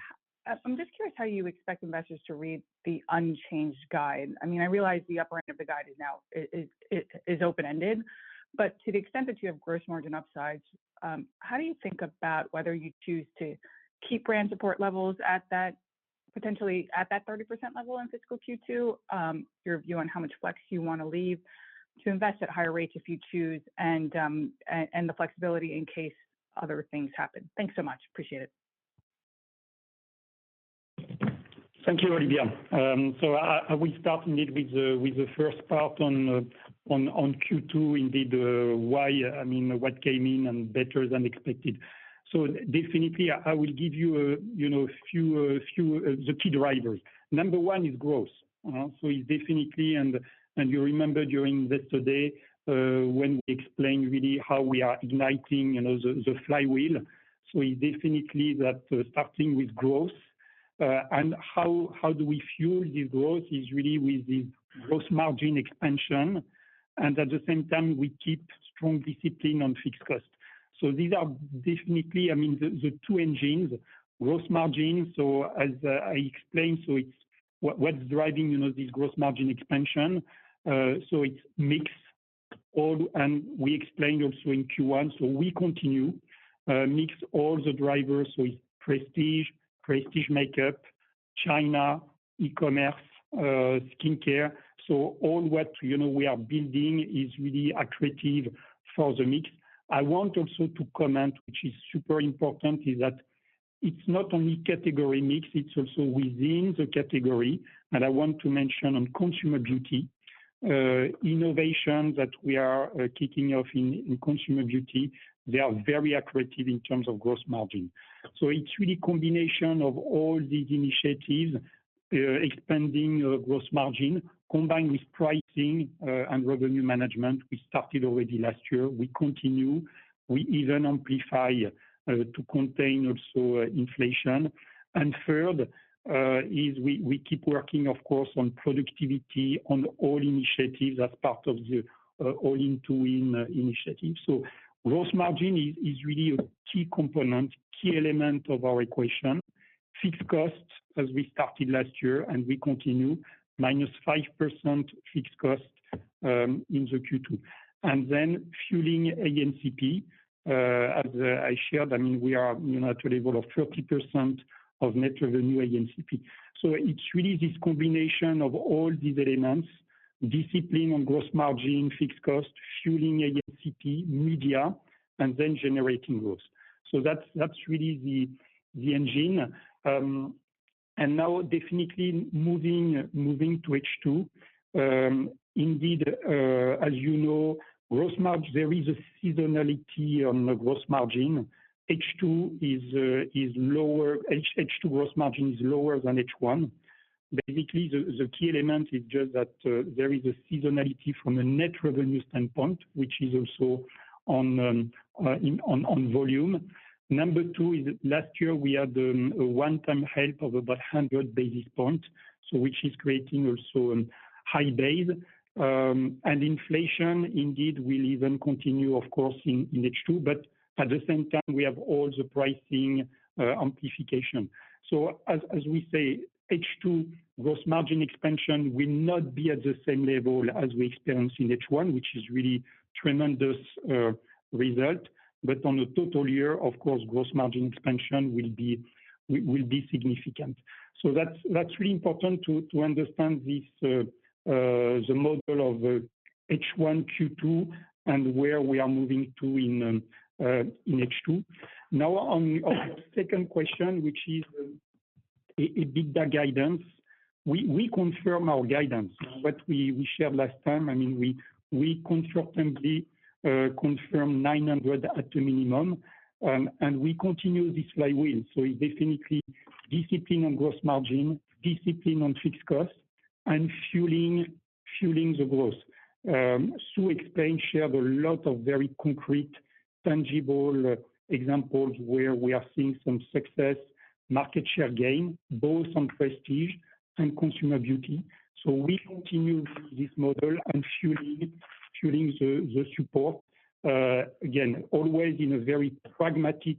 I'm just curious how you expect investors to read the unchanged guide. I mean, I realize the upper end of the guide is now open-ended, but to the extent that you have gross margin upsides, how do you think about whether you choose to keep brand support levels at that potentially at that 30% level in fiscal Q2, your view on how much flex you wanna leave to invest at higher rates if you choose, and the flexibility in case other things happen. Thanks so much. Appreciate it. Thank you, Olivia. I will start indeed with the first part on Q2, indeed, I mean, what came in better than expected. Definitely I will give you a you know few the key drivers. Number one is growth. It's definitely, and you remember during today when we explained really how we are igniting you know the flywheel. It's definitely that, starting with growth, and how do we fuel this growth is really with the gross margin expansion, and at the same time, we keep strong discipline on fixed cost. These are definitely, I mean, the two engines, gross margin. As I explained, What's driving you know this gross margin expansion? It's mix all and we explained also in Q1. We continue mix all the drivers with Prestige makeup, China, e-commerce, skincare. All what, you know, we are building is really accretive for the mix. I want also to comment, which is super important, is that it's not only category mix, it's also within the category. I want to mention on Consumer Beauty innovation that we are kicking off in Consumer Beauty. They are very accretive in terms of gross margin. It's really combination of all these initiatives, expanding gross margin combined with pricing and revenue management we started already last year. We continue. We even amplify to contain also inflation. Third, we keep working of course on productivity on all initiatives as part of the All In To Win initiative. Gross margin is really a key component, key element of our equation. Fixed costs, as we started last year, and we continue minus 5% fixed cost in the Q2. Fueling ANCP, as I shared, I mean, we are, you know, at a level of 30% of net revenue ANCP. It's really this combination of all these elements, discipline on gross margin, fixed cost, fueling ANCP media, and then generating growth. That's really the engine. Now definitely moving to H2. Indeed, as you know, gross margin, there is a seasonality on the gross margin. H2 is lower. H2 gross margin is lower than H1. Basically, the key element is just that there is a seasonality from a net revenue standpoint, which is also on volume. Number two is last year we had a one-time help of about 100 basis points, so which is creating also a high base. Inflation indeed will even continue of course in H2, but at the same time we have all the pricing amplification. As we say, H2 gross margin expansion will not be at the same level as we experienced in H1, which is really tremendous result. On the total year, of course, gross margin expansion will be significant. That's really important to understand this the model of H1 Q2 and where we are moving to in H2. Now, on the second question, which is EBITDA guidance, we confirm our guidance, what we shared last time. I mean, we confidently confirm $900 million at minimum, and we continue this flywheel. Definitely discipline on gross margin, discipline on fixed costs and fueling the growth. Sue explained, shared a lot of very concrete, tangible examples where we are seeing some success, market share gain, both on Prestige and Consumer Beauty. We continue this model and fueling the support, again, always in a very pragmatic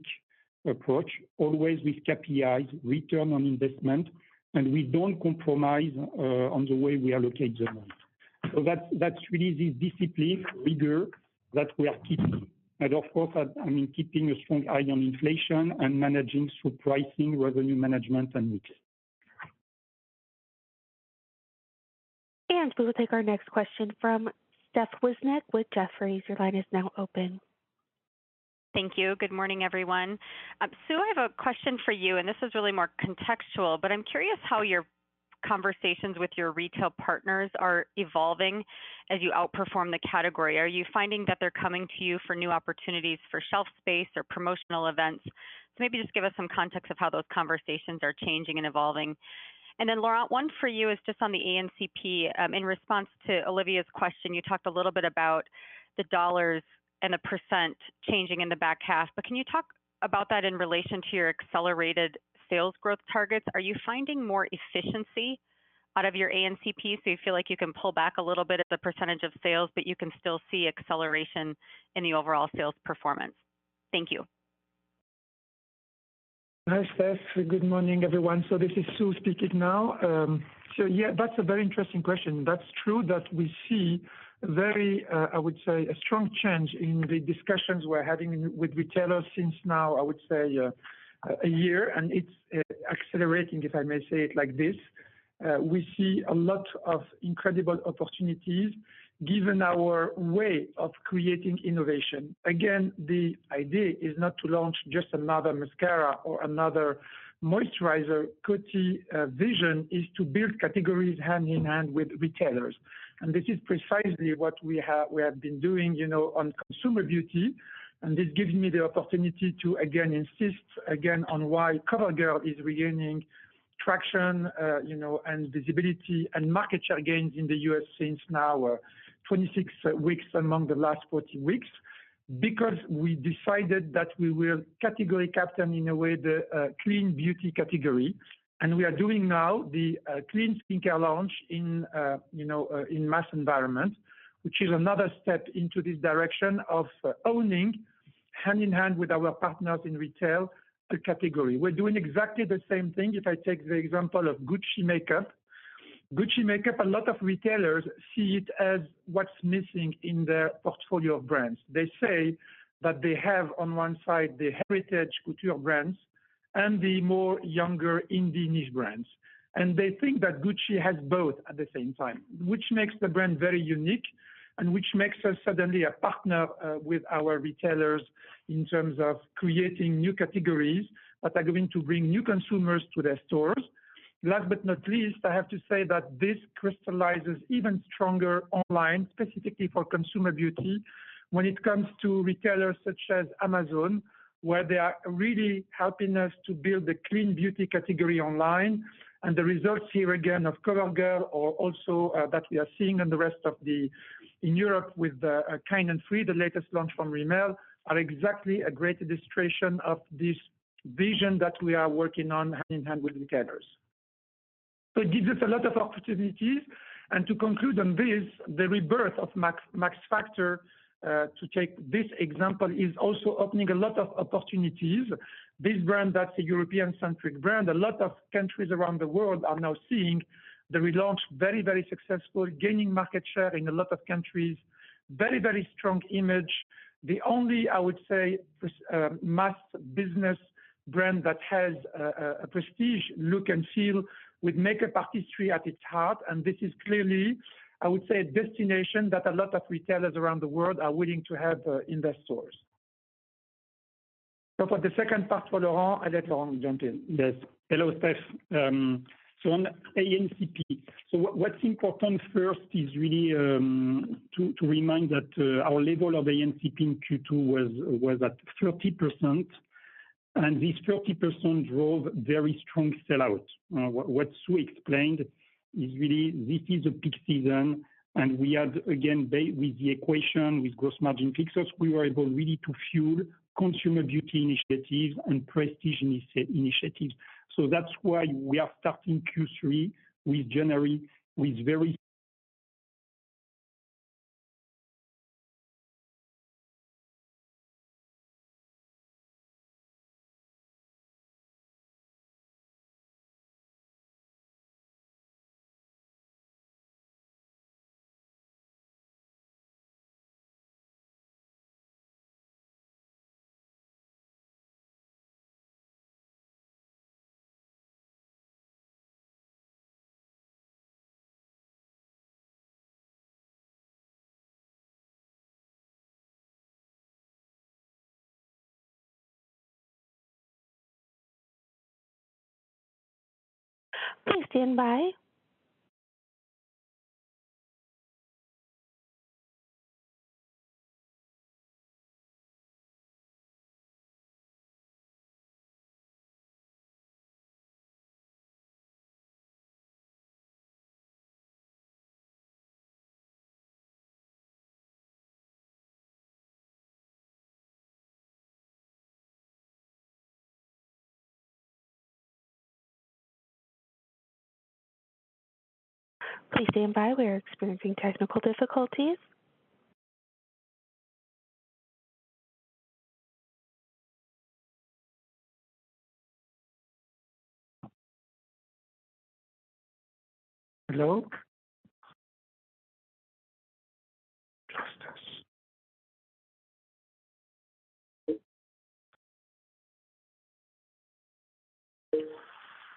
approach, always with KPIs, return on investment, and we don't compromise on the way we allocate the money. That, that's really the discipline rigor that we are keeping. Of course, I mean, keeping a strong eye on inflation and managing through pricing, revenue management and mix. We will take our next question from Steve Powers with Jefferies. Your line is now open. Thank you. Good morning, everyone. Sue, I have a question for you, and this is really more contextual, but I'm curious how your conversations with your retail partners are evolving as you outperform the category. Are you finding that they're coming to you for new opportunities for shelf space or promotional events? Maybe just give us some context of how those conversations are changing and evolving. Laurent, one for you is just on the ANCP. In response to Olivia's question, you talked a little bit about the dollars and the % changing in the back half, but can you talk about that in relation to your accelerated sales growth targets? Are you finding more efficiency out of your ANCP, so you feel like you can pull back a little bit of the percentage of sales, but you can still see acceleration in the overall sales performance? Thank you. Hi, Steve. Good morning, everyone. This is Sue speaking now. Yeah, that's a very interesting question. That's true that we see very, I would say, a strong change in the discussions we're having with retailers since now, I would say, a year, and it's accelerating, if I may say it like this. We see a lot of incredible opportunities given our way of creating innovation. Again, the idea is not to launch just another mascara or another moisturizer. Coty vision is to build categories hand in hand with retailers. This is precisely what we have been doing, you know, on Consumer Beauty. This gives me the opportunity to again insist again on why CoverGirl is regaining traction, you know, and visibility and market share gains in the U.S. since now, 26 weeks among the last 14 weeks, because we decided that we will category captain in a way the clean beauty category. We are doing now the clean skincare launch in, you know, in mass environment, which is another step into this direction of owning hand in hand with our partners in retail a category. We're doing exactly the same thing. If I take the example of Gucci Makeup. Gucci Makeup, a lot of retailers see it as what's missing in their portfolio of brands. They say that they have on one side, the heritage couture brands and the more younger indie niche brands. They think that Gucci has both at the same time, which makes the brand very unique and which makes us suddenly a partner with our retailers in terms of creating new categories that are going to bring new consumers to their stores. Last but not least, I have to say that this crystallizes even stronger online, specifically for consumer beauty when it comes to retailers such as Amazon, where they are really helping us to build the clean beauty category online. The results here again of CoverGirl or also that we are seeing in Europe with the Kind & Free, the latest launch from Rimmel, are exactly a great illustration of this vision that we are working on hand in hand with retailers. It gives us a lot of opportunities. To conclude on this, the rebirth of Max Factor to take this example is also opening a lot of opportunities. This brand, that's a European-centric brand. A lot of countries around the world are now seeing the relaunch very successful, gaining market share in a lot of countries. Very strong image. The only, I would say, mass business brand that has a prestige look and feel with makeup artistry at its heart. This is clearly, I would say, a destination that a lot of retailers around the world are willing to have in their stores. For the second part for Laurent, I let Laurent jump in. Yes. Hello, Steve. So on A&P. What’s important first is really to remind that our level of A&P in Q2 was at 30%. This 30% drove very strong sell-out. What Sue explained is really this is a peak season, and we had, again, back with the equation with gross margin fixes, we were able really to fuel consumer beauty initiatives and prestige initiatives. That's why we are starting Q3 with January with very- Please stand by. Please stand by. We are experiencing technical difficulties. Hello?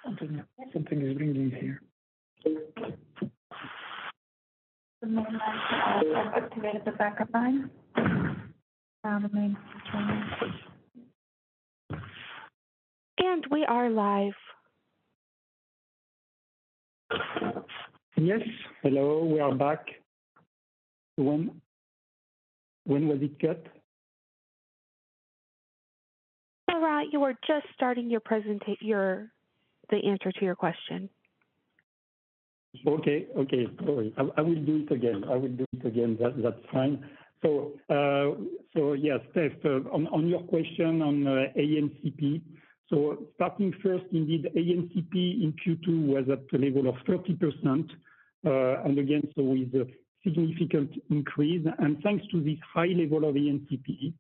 Something, something is ringing here. The main line has asked us to activate the backup line. Now the main line is joining us. And we are live. Yes. Hello. We are back. When was it cut? Laurent, you were just starting your presentation. The answer to your question. Okay. Sorry. I will do it again. That's fine. Yes, Steve, on your question on ANCP. Starting first, indeed, ANCP in Q2 was at a level of 30%, and again, so is a significant increase. Thanks to this high level of ANCP,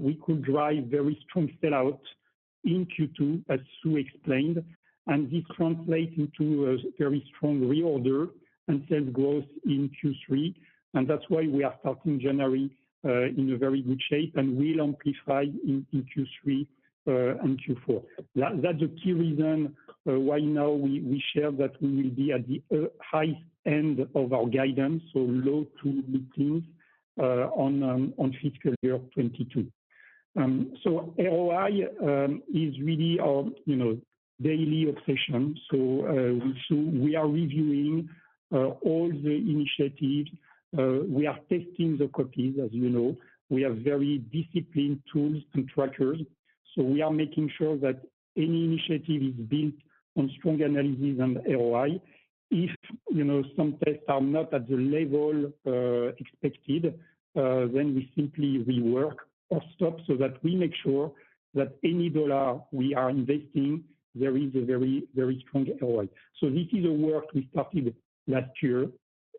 we could drive very strong sell-out in Q2, as Sue explained, and this translate into a very strong reorder and sales growth in Q3. That's why we are starting January in a very good shape and will amplify in Q3 and Q4. That's a key reason why now we share that we will be at the high end of our guidance, low- to mid-teens% on fiscal year 2022. ROI is really our, you know, daily obsession. We are reviewing all the initiatives. We are testing the copies, as you know. We have very disciplined tools and trackers, so we are making sure that any initiative is built on strong analysis and ROI. If, you know, some tests are not at the level expected, then we simply rework or stop so that we make sure that any dollar we are investing, there is a very, very strong ROI. This is a work we started last year.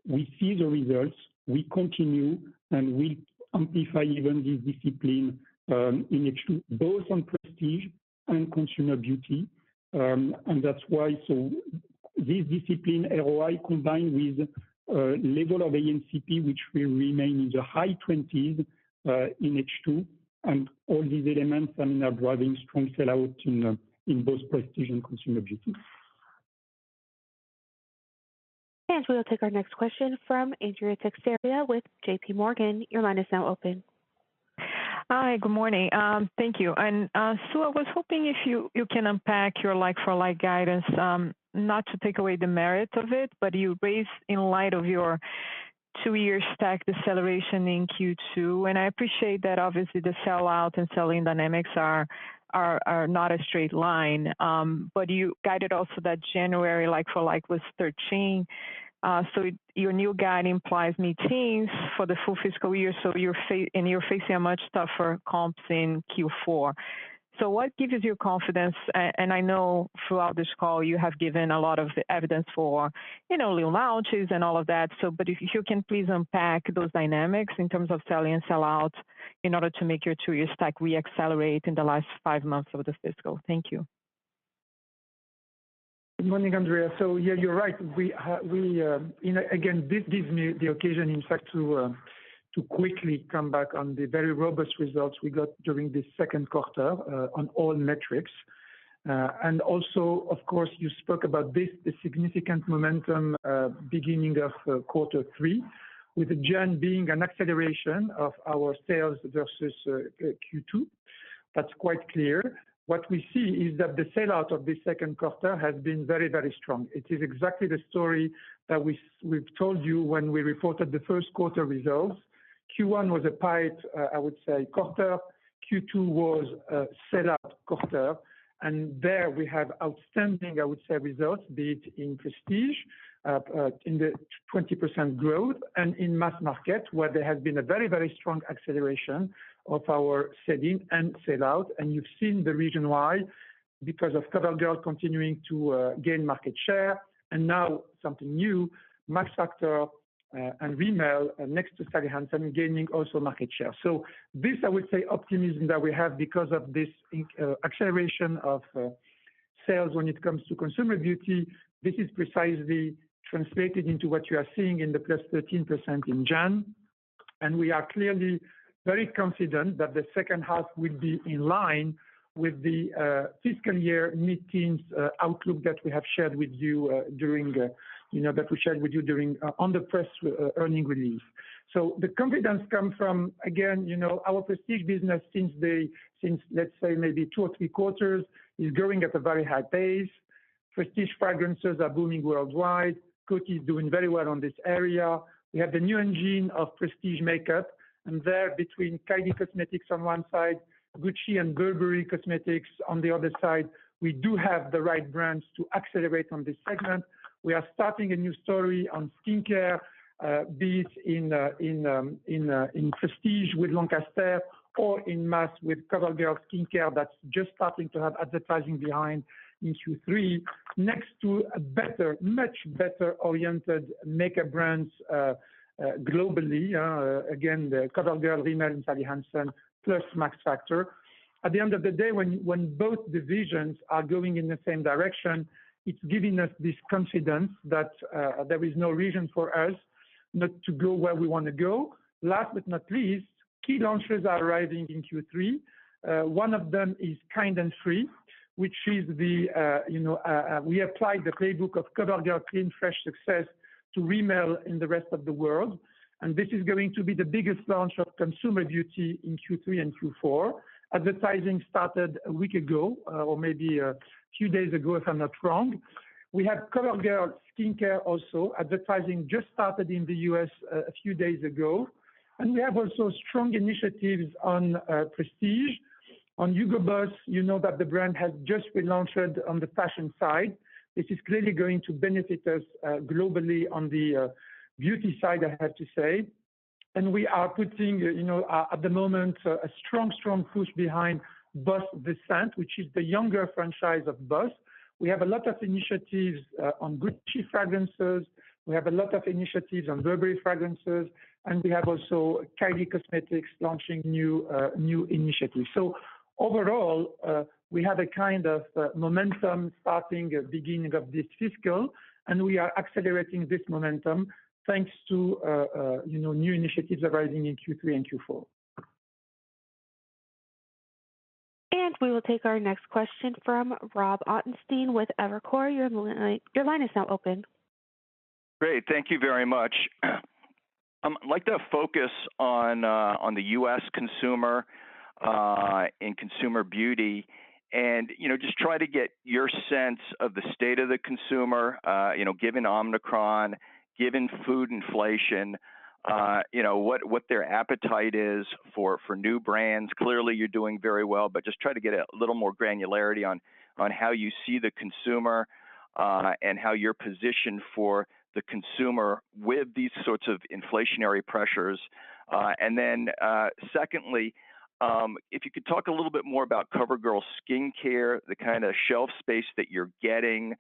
We see the results, we continue, and we amplify even this discipline in H2, both on Prestige and Consumer Beauty. That's why. This discipline, ROI, combined with level of ANCP, which will remain in the high twenties in H2, and all these elements are driving strong sell-out in both Prestige and Consumer Beauty. We'll take our next question from Andrea Teixeira with JPMorgan. Your line is now open. Hi, good morning. Thank you. Sue, I was hoping if you can unpack your like-for-like guidance, not to take away the merit of it, but you raised in light of your two-year stack deceleration in Q2, and I appreciate that obviously the sell out and selling dynamics are not a straight line. But you guided also that January like for like was 13. So your new guide implies mid-teens for the full fiscal year, and you're facing a much tougher comps in Q4. So what gives you confidence? And I know throughout this call you have given a lot of evidence for, you know, new launches and all of that. If you can, please unpack those dynamics in terms of selling and sell out in order to make your two-year stack reaccelerate in the last five months of the fiscal? Thank you. Good morning, Andrea. Yeah, you're right. We, you know, again, this gives me the occasion, in fact, to quickly come back on the very robust results we got during this second quarter, on all metrics. Also, of course, you spoke about this, the significant momentum, beginning of quarter three, with Jan being an acceleration of our sales versus Q2. That's quite clear. What we see is that the sell-out of the second quarter has been very, very strong. It is exactly the story that we've told you when we reported the first quarter results. Q1 was a pipe quarter. Q2 was a sell-out quarter. There we have outstanding results, be it in prestige in the 20% growth and in mass market, where there has been a very strong acceleration of our sell-in and sell-out. You've seen the reason why, because of CoverGirl continuing to gain market share. Now something new, Max Factor and Rimmel next to Sally Hansen gaining also market share. This optimism that we have because of this acceleration of sales when it comes to consumer beauty. This is precisely translated into what you are seeing in the +13% in January. We are clearly very confident that the second half will be in line with the fiscal year mid-teens outlook that we have shared with you know, on the press earnings release. The confidence comes from, again, you know, our prestige business since, let's say maybe two or three quarters, is growing at a very high pace. Prestige fragrances are booming worldwide. Coty is doing very well on this area. We have the new engine of prestige makeup, and there between Kylie Cosmetics on one side, Gucci and Burberry cosmetics on the other side, we do have the right brands to accelerate on this segment. We are starting a new story on skincare, be it in prestige with Lancaster or in mass with CoverGirl skincare that's just starting to have advertising behind in Q3, next to a better, much better-oriented makeup brands globally. Again, the CoverGirl, Rimmel, and Sally Hansen plus Max Factor. At the end of the day, when both divisions are going in the same direction, it's giving us this confidence that there is no reason for us not to go where we wanna go. Last but not least, key launches are arriving in Q3. One of them is Kind & Free, which is the, you know... We applied the playbook of CoverGirl Clean Fresh success to Rimmel in the rest of the world, and this is going to be the biggest launch of consumer beauty in Q3 and Q4. Advertising started a week ago, or maybe a few days ago, if I'm not wrong. We have CoverGirl Skincare also. Advertising just started in the U.S. a few days ago. We have also strong initiatives on prestige. On Hugo Boss, you know that the brand has just relaunched on the fashion side. This is clearly going to benefit us globally on the beauty side, I have to say. We are putting you know at the moment a strong push behind Boss The Scent, which is the younger franchise of Boss. We have a lot of initiatives on Gucci fragrances, we have a lot of initiatives on Burberry fragrances, and we have also Kylie Cosmetics launching new initiatives. Overall, we have a kind of momentum starting at beginning of this fiscal, and we are accelerating this momentum thanks to, you know, new initiatives arising in Q3 and Q4. We will take our next question from Robert Ottenstein with Evercore. Your line is now open. Great. Thank you very much. I'd like to focus on the U.S. consumer in consumer beauty and, you know, just try to get your sense of the state of the consumer, you know, given Omicron, given food inflation, you know, what their appetite is for new brands. Clearly, you're doing very well, but just try to get a little more granularity on how you see the consumer and how you're positioned for the consumer with these sorts of inflationary pressures. And then, secondly, if you could talk a little bit more about CoverGirl Skincare, the kinda shelf space that you're getting,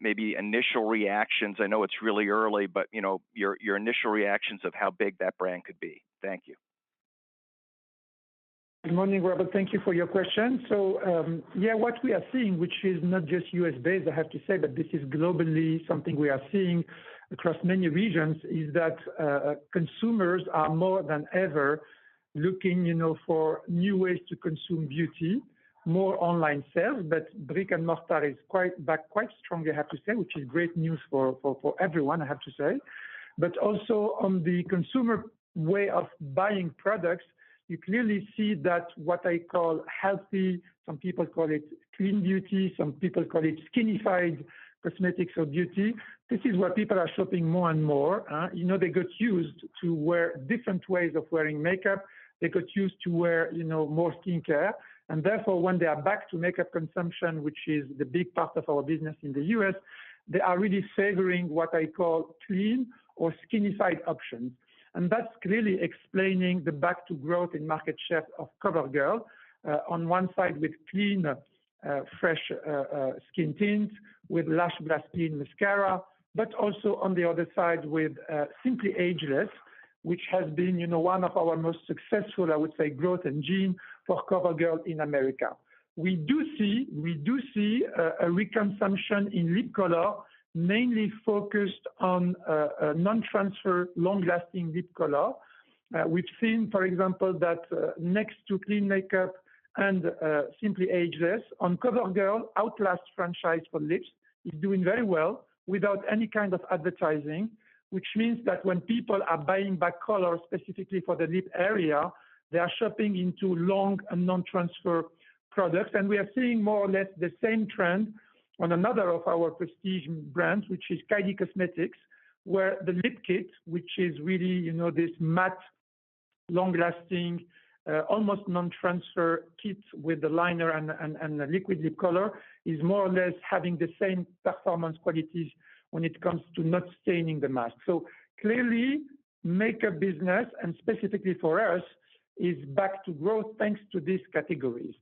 maybe initial reactions. I know it's really early, but, you know, your initial reactions of how big that brand could be. Thank you. Good morning, Robert. Thank you for your question. What we are seeing, which is not just U.S.-based, I have to say that this is globally something we are seeing across many regions, is that consumers are more than ever looking, you know, for new ways to consume beauty, more online sales. But brick-and-mortar is coming back quite strongly, I have to say, which is great news for everyone, I have to say. But also on the consumer way of buying products, you clearly see that what I call healthy, some people call it clean beauty, some people call it skinified cosmetics or beauty. This is where people are shopping more and more. You know, they got used to wear different ways of wearing makeup. They got used to wear, you know, more skincare. Therefore, when they are back to makeup consumption, which is the big part of our business in the U.S., they are really savoring what I call clean or skinified options. That's clearly explaining the back to growth in market share of CoverGirl on one side with clean fresh skin tints, with Lash Blast Clean mascara, but also on the other side with Simply Ageless, which has been, you know, one of our most successful, I would say, growth engine for CoverGirl in America. We see a reconsumption in lip color, mainly focused on non-transfer, long-lasting lip color. We've seen, for example, that next to clean makeup and Simply Ageless on CoverGirl, Outlast franchise for lips is doing very well without any kind of advertising, which means that when people are buying back into color specifically for the lip area, they are shopping into long and non-transfer products. We are seeing more or less the same trend on another of our prestige brands, which is Kylie Cosmetics, where the lip kit, which is really, you know, this matte long-lasting almost non-transfer kit with the liner and the liquid lip color is more or less having the same performance qualities when it comes to not staining the mask. Clearly, makeup business, and specifically for us, is back to growth thanks to these categories.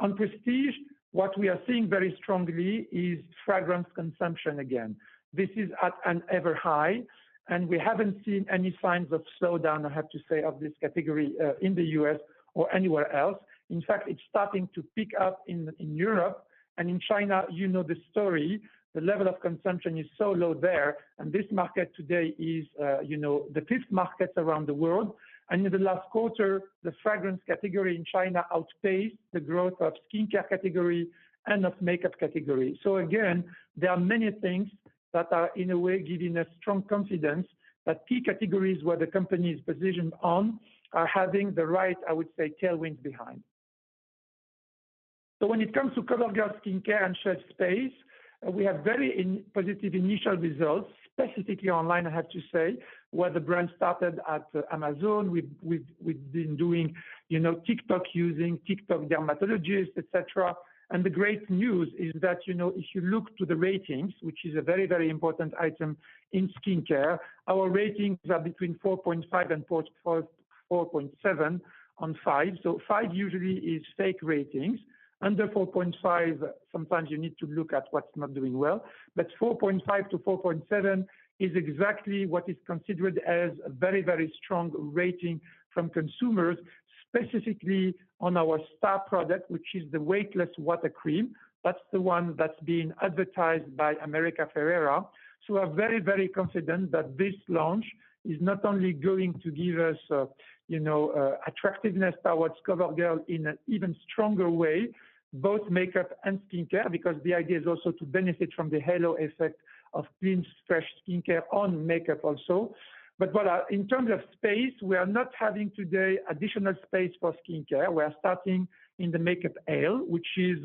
On prestige, what we are seeing very strongly is fragrance consumption again. This is at an all-time high, and we haven't seen any signs of slowdown, I have to say, of this category in the U.S. or anywhere else. In fact, it's starting to pick up in Europe and in China. You know the story. The level of consumption is so low there, and this market today is, you know, the fifth market around the world. In the last quarter, the fragrance category in China outpaced the growth of skincare category and of makeup category. Again, there are many things that are, in a way, giving us strong confidence that key categories where the company is positioned on are having the right, I would say, tailwinds behind. When it comes to COVERGIRL skincare and shelf space, we have very positive initial results, specifically online, I have to say, where the brand started on Amazon. We've been doing, you know, TikTok, using TikTok dermatologists, et cetera. The great news is that, you know, if you look to the ratings, which is a very, very important item in skincare, our ratings are between 4.5 and 4.7 on 5. 5 usually is fake ratings. Under 4.5, sometimes you need to look at what's not doing well. 4.5 to 4.7 is exactly what is considered as a very, very strong rating from consumers, specifically on our star product, which is the Weightless Water Cream. That's the one that's being advertised by America Ferrera. We're very, very confident that this launch is not only going to give us, you know, attractiveness towards CoverGirl in an even stronger way, both makeup and skincare, because the idea is also to benefit from the halo effect of Clean Fresh Skincare on makeup also. What in terms of space, we are not having today additional space for skincare. We are starting in the makeup aisle, which is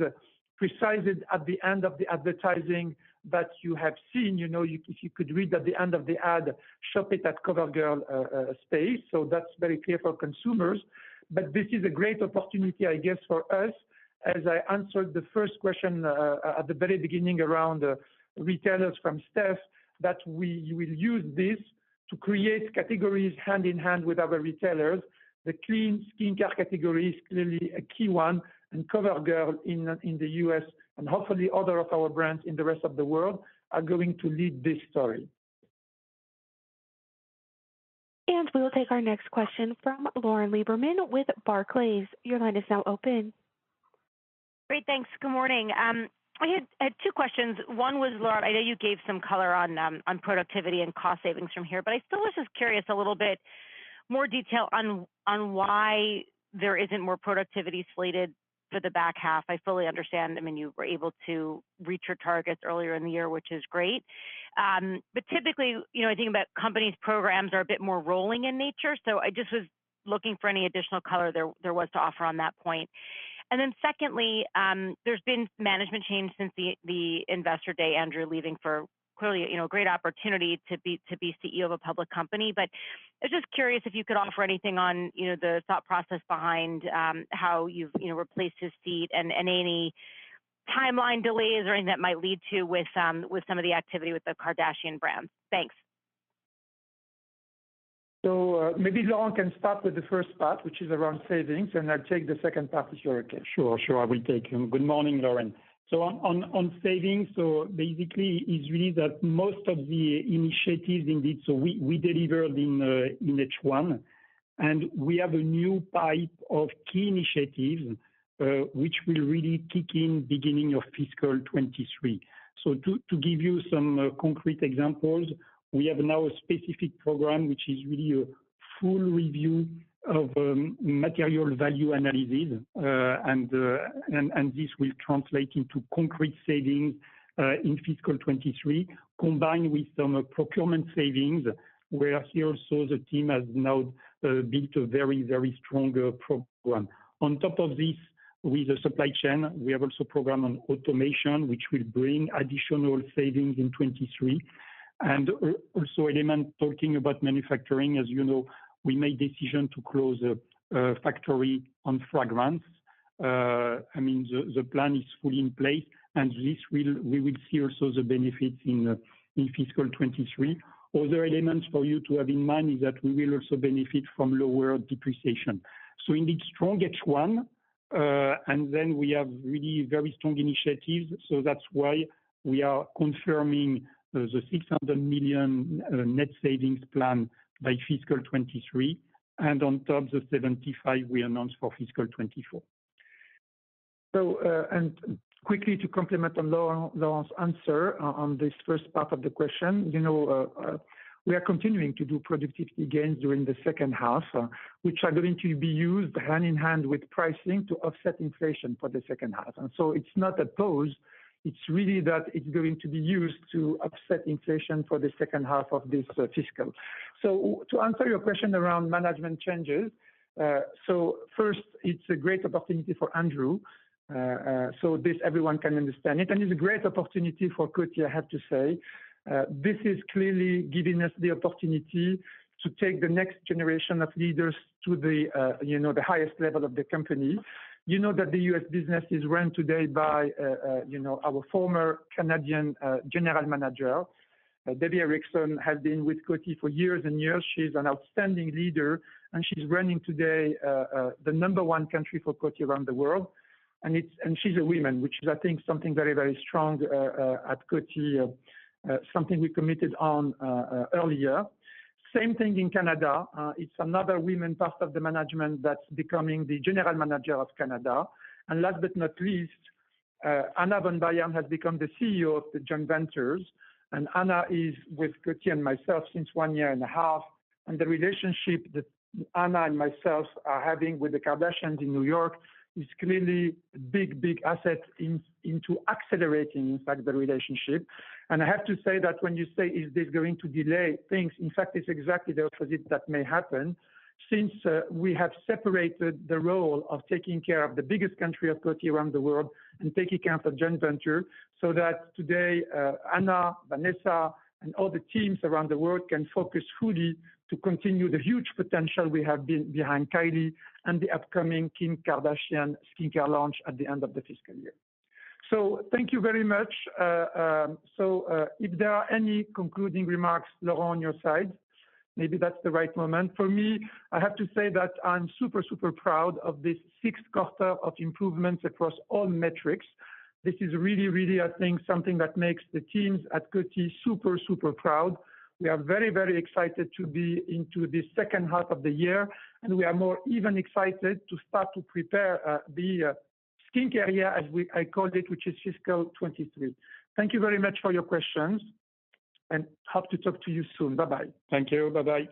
precisely at the end of the advertising that you have seen. You know, you could read at the end of the ad, "Shop it at CoverGirl," space. That's very clear for consumers. This is a great opportunity, I guess, for us, as I answered the first question, at the very beginning around retailers from Steve, that we will use this to create categories hand in hand with other retailers. The clean skincare category is clearly a key one, and CoverGirl in the U.S. and hopefully other of our brands in the rest of the world are going to lead this story. We will take our next question from Lauren Lieberman with Barclays. Your line is now open. Great. Thanks. Good morning. I had two questions. One was, Laurent, I know you gave some color on productivity and cost savings from here, but I still was just curious a little bit more detail on why there isn't more productivity slated for the back half. I fully understand, I mean, you were able to reach your targets earlier in the year, which is great. But typically, you know, I think about companies' programs are a bit more rolling in nature, so I just was looking for any additional color there was to offer on that point. Secondly, there's been management change since the investor day, Andrew leaving for clearly, you know, a great opportunity to be CEO of a public company. I was just curious if you could offer anything on, you know, the thought process behind how you've, you know, replaced his seat and any timeline delays or anything that might lead to with some of the activity with the Kardashian brand. Thanks. Maybe Laurent can start with the first part, which is around savings, and I'll take the second part if you okay. Sure, Sue. I will take. Good morning, Laurent. On savings, basically most of the initiatives indeed, we delivered in H1 and we have a new pipeline of key initiatives, which will really kick in beginning of fiscal 2023. To give you some concrete examples, we have now a specific program which is really a full review of material value analysis. And this will translate into concrete savings in fiscal 2023, combined with some procurement savings, where here also the team has now built a very strong program. On top of this, with the supply chain, we have also a program on automation, which will bring additional savings in 2023. Also element talking about manufacturing, as you know, we made decision to close a factory on fragrance. I mean, the plan is fully in place, and we will see also the benefits in fiscal 2023. Other elements for you to have in mind is that we will also benefit from lower depreciation. Indeed strong H1, and then we have really very strong initiatives. That's why we are confirming the $600 million net savings plan by fiscal 2023 and on top the $75 million we announced for fiscal 2024. Quickly to comment on Laurent's answer on this first part of the question, you know, we are continuing to do productivity gains during the second half, which are going to be used hand in hand with pricing to offset inflation for the second half. It's not a pause. It's really that it's going to be used to offset inflation for the second half of this fiscal. To answer your question around management changes. First, it's a great opportunity for Andrew. So that everyone can understand it, and it's a great opportunity for Coty, I have to say. This is clearly giving us the opportunity to take the next generation of leaders to the, you know, the highest level of the company. You know that the U.S. business is run today by our former Canadian general manager. Debbie Rickson has been with Coty for years and years. She's an outstanding leader, and she's running today the number one country for Coty around the world. She's a woman, which is, I think, something very, very strong at Coty, something we committed on earlier. Same thing in Canada. It's another woman part of the management that's becoming the general manager of Canada. Last but not least, Anna von Litzau has become the CEO of the joint ventures, and Anna is with Coty and myself since one year and a half. The relationship that Anna and myself are having with the Kardashians in New York is clearly big asset into accelerating, in fact, the relationship. I have to say that when you say is this going to delay things, in fact, it's exactly the opposite that may happen since we have separated the role of taking care of the biggest country of Coty around the world and taking care of the joint venture, so that today Anna, Vanessa, and all the teams around the world can focus fully to continue the huge potential we have behind Kylie and the upcoming Kim Kardashian skincare launch at the end of the fiscal year. Thank you very much. If there are any concluding remarks, Laurent, your side, maybe that's the right moment. For me, I have to say that I'm super proud of this sixth quarter of improvements across all metrics. This is really, really, I think, something that makes the teams at Coty super proud. We are very, very excited to be into the second half of the year, and we are even more excited to start to prepare the skincare year as I called it, which is fiscal 2023. Thank you very much for your questions, and I hope to talk to you soon. Bye-bye. Thank you. Bye-bye.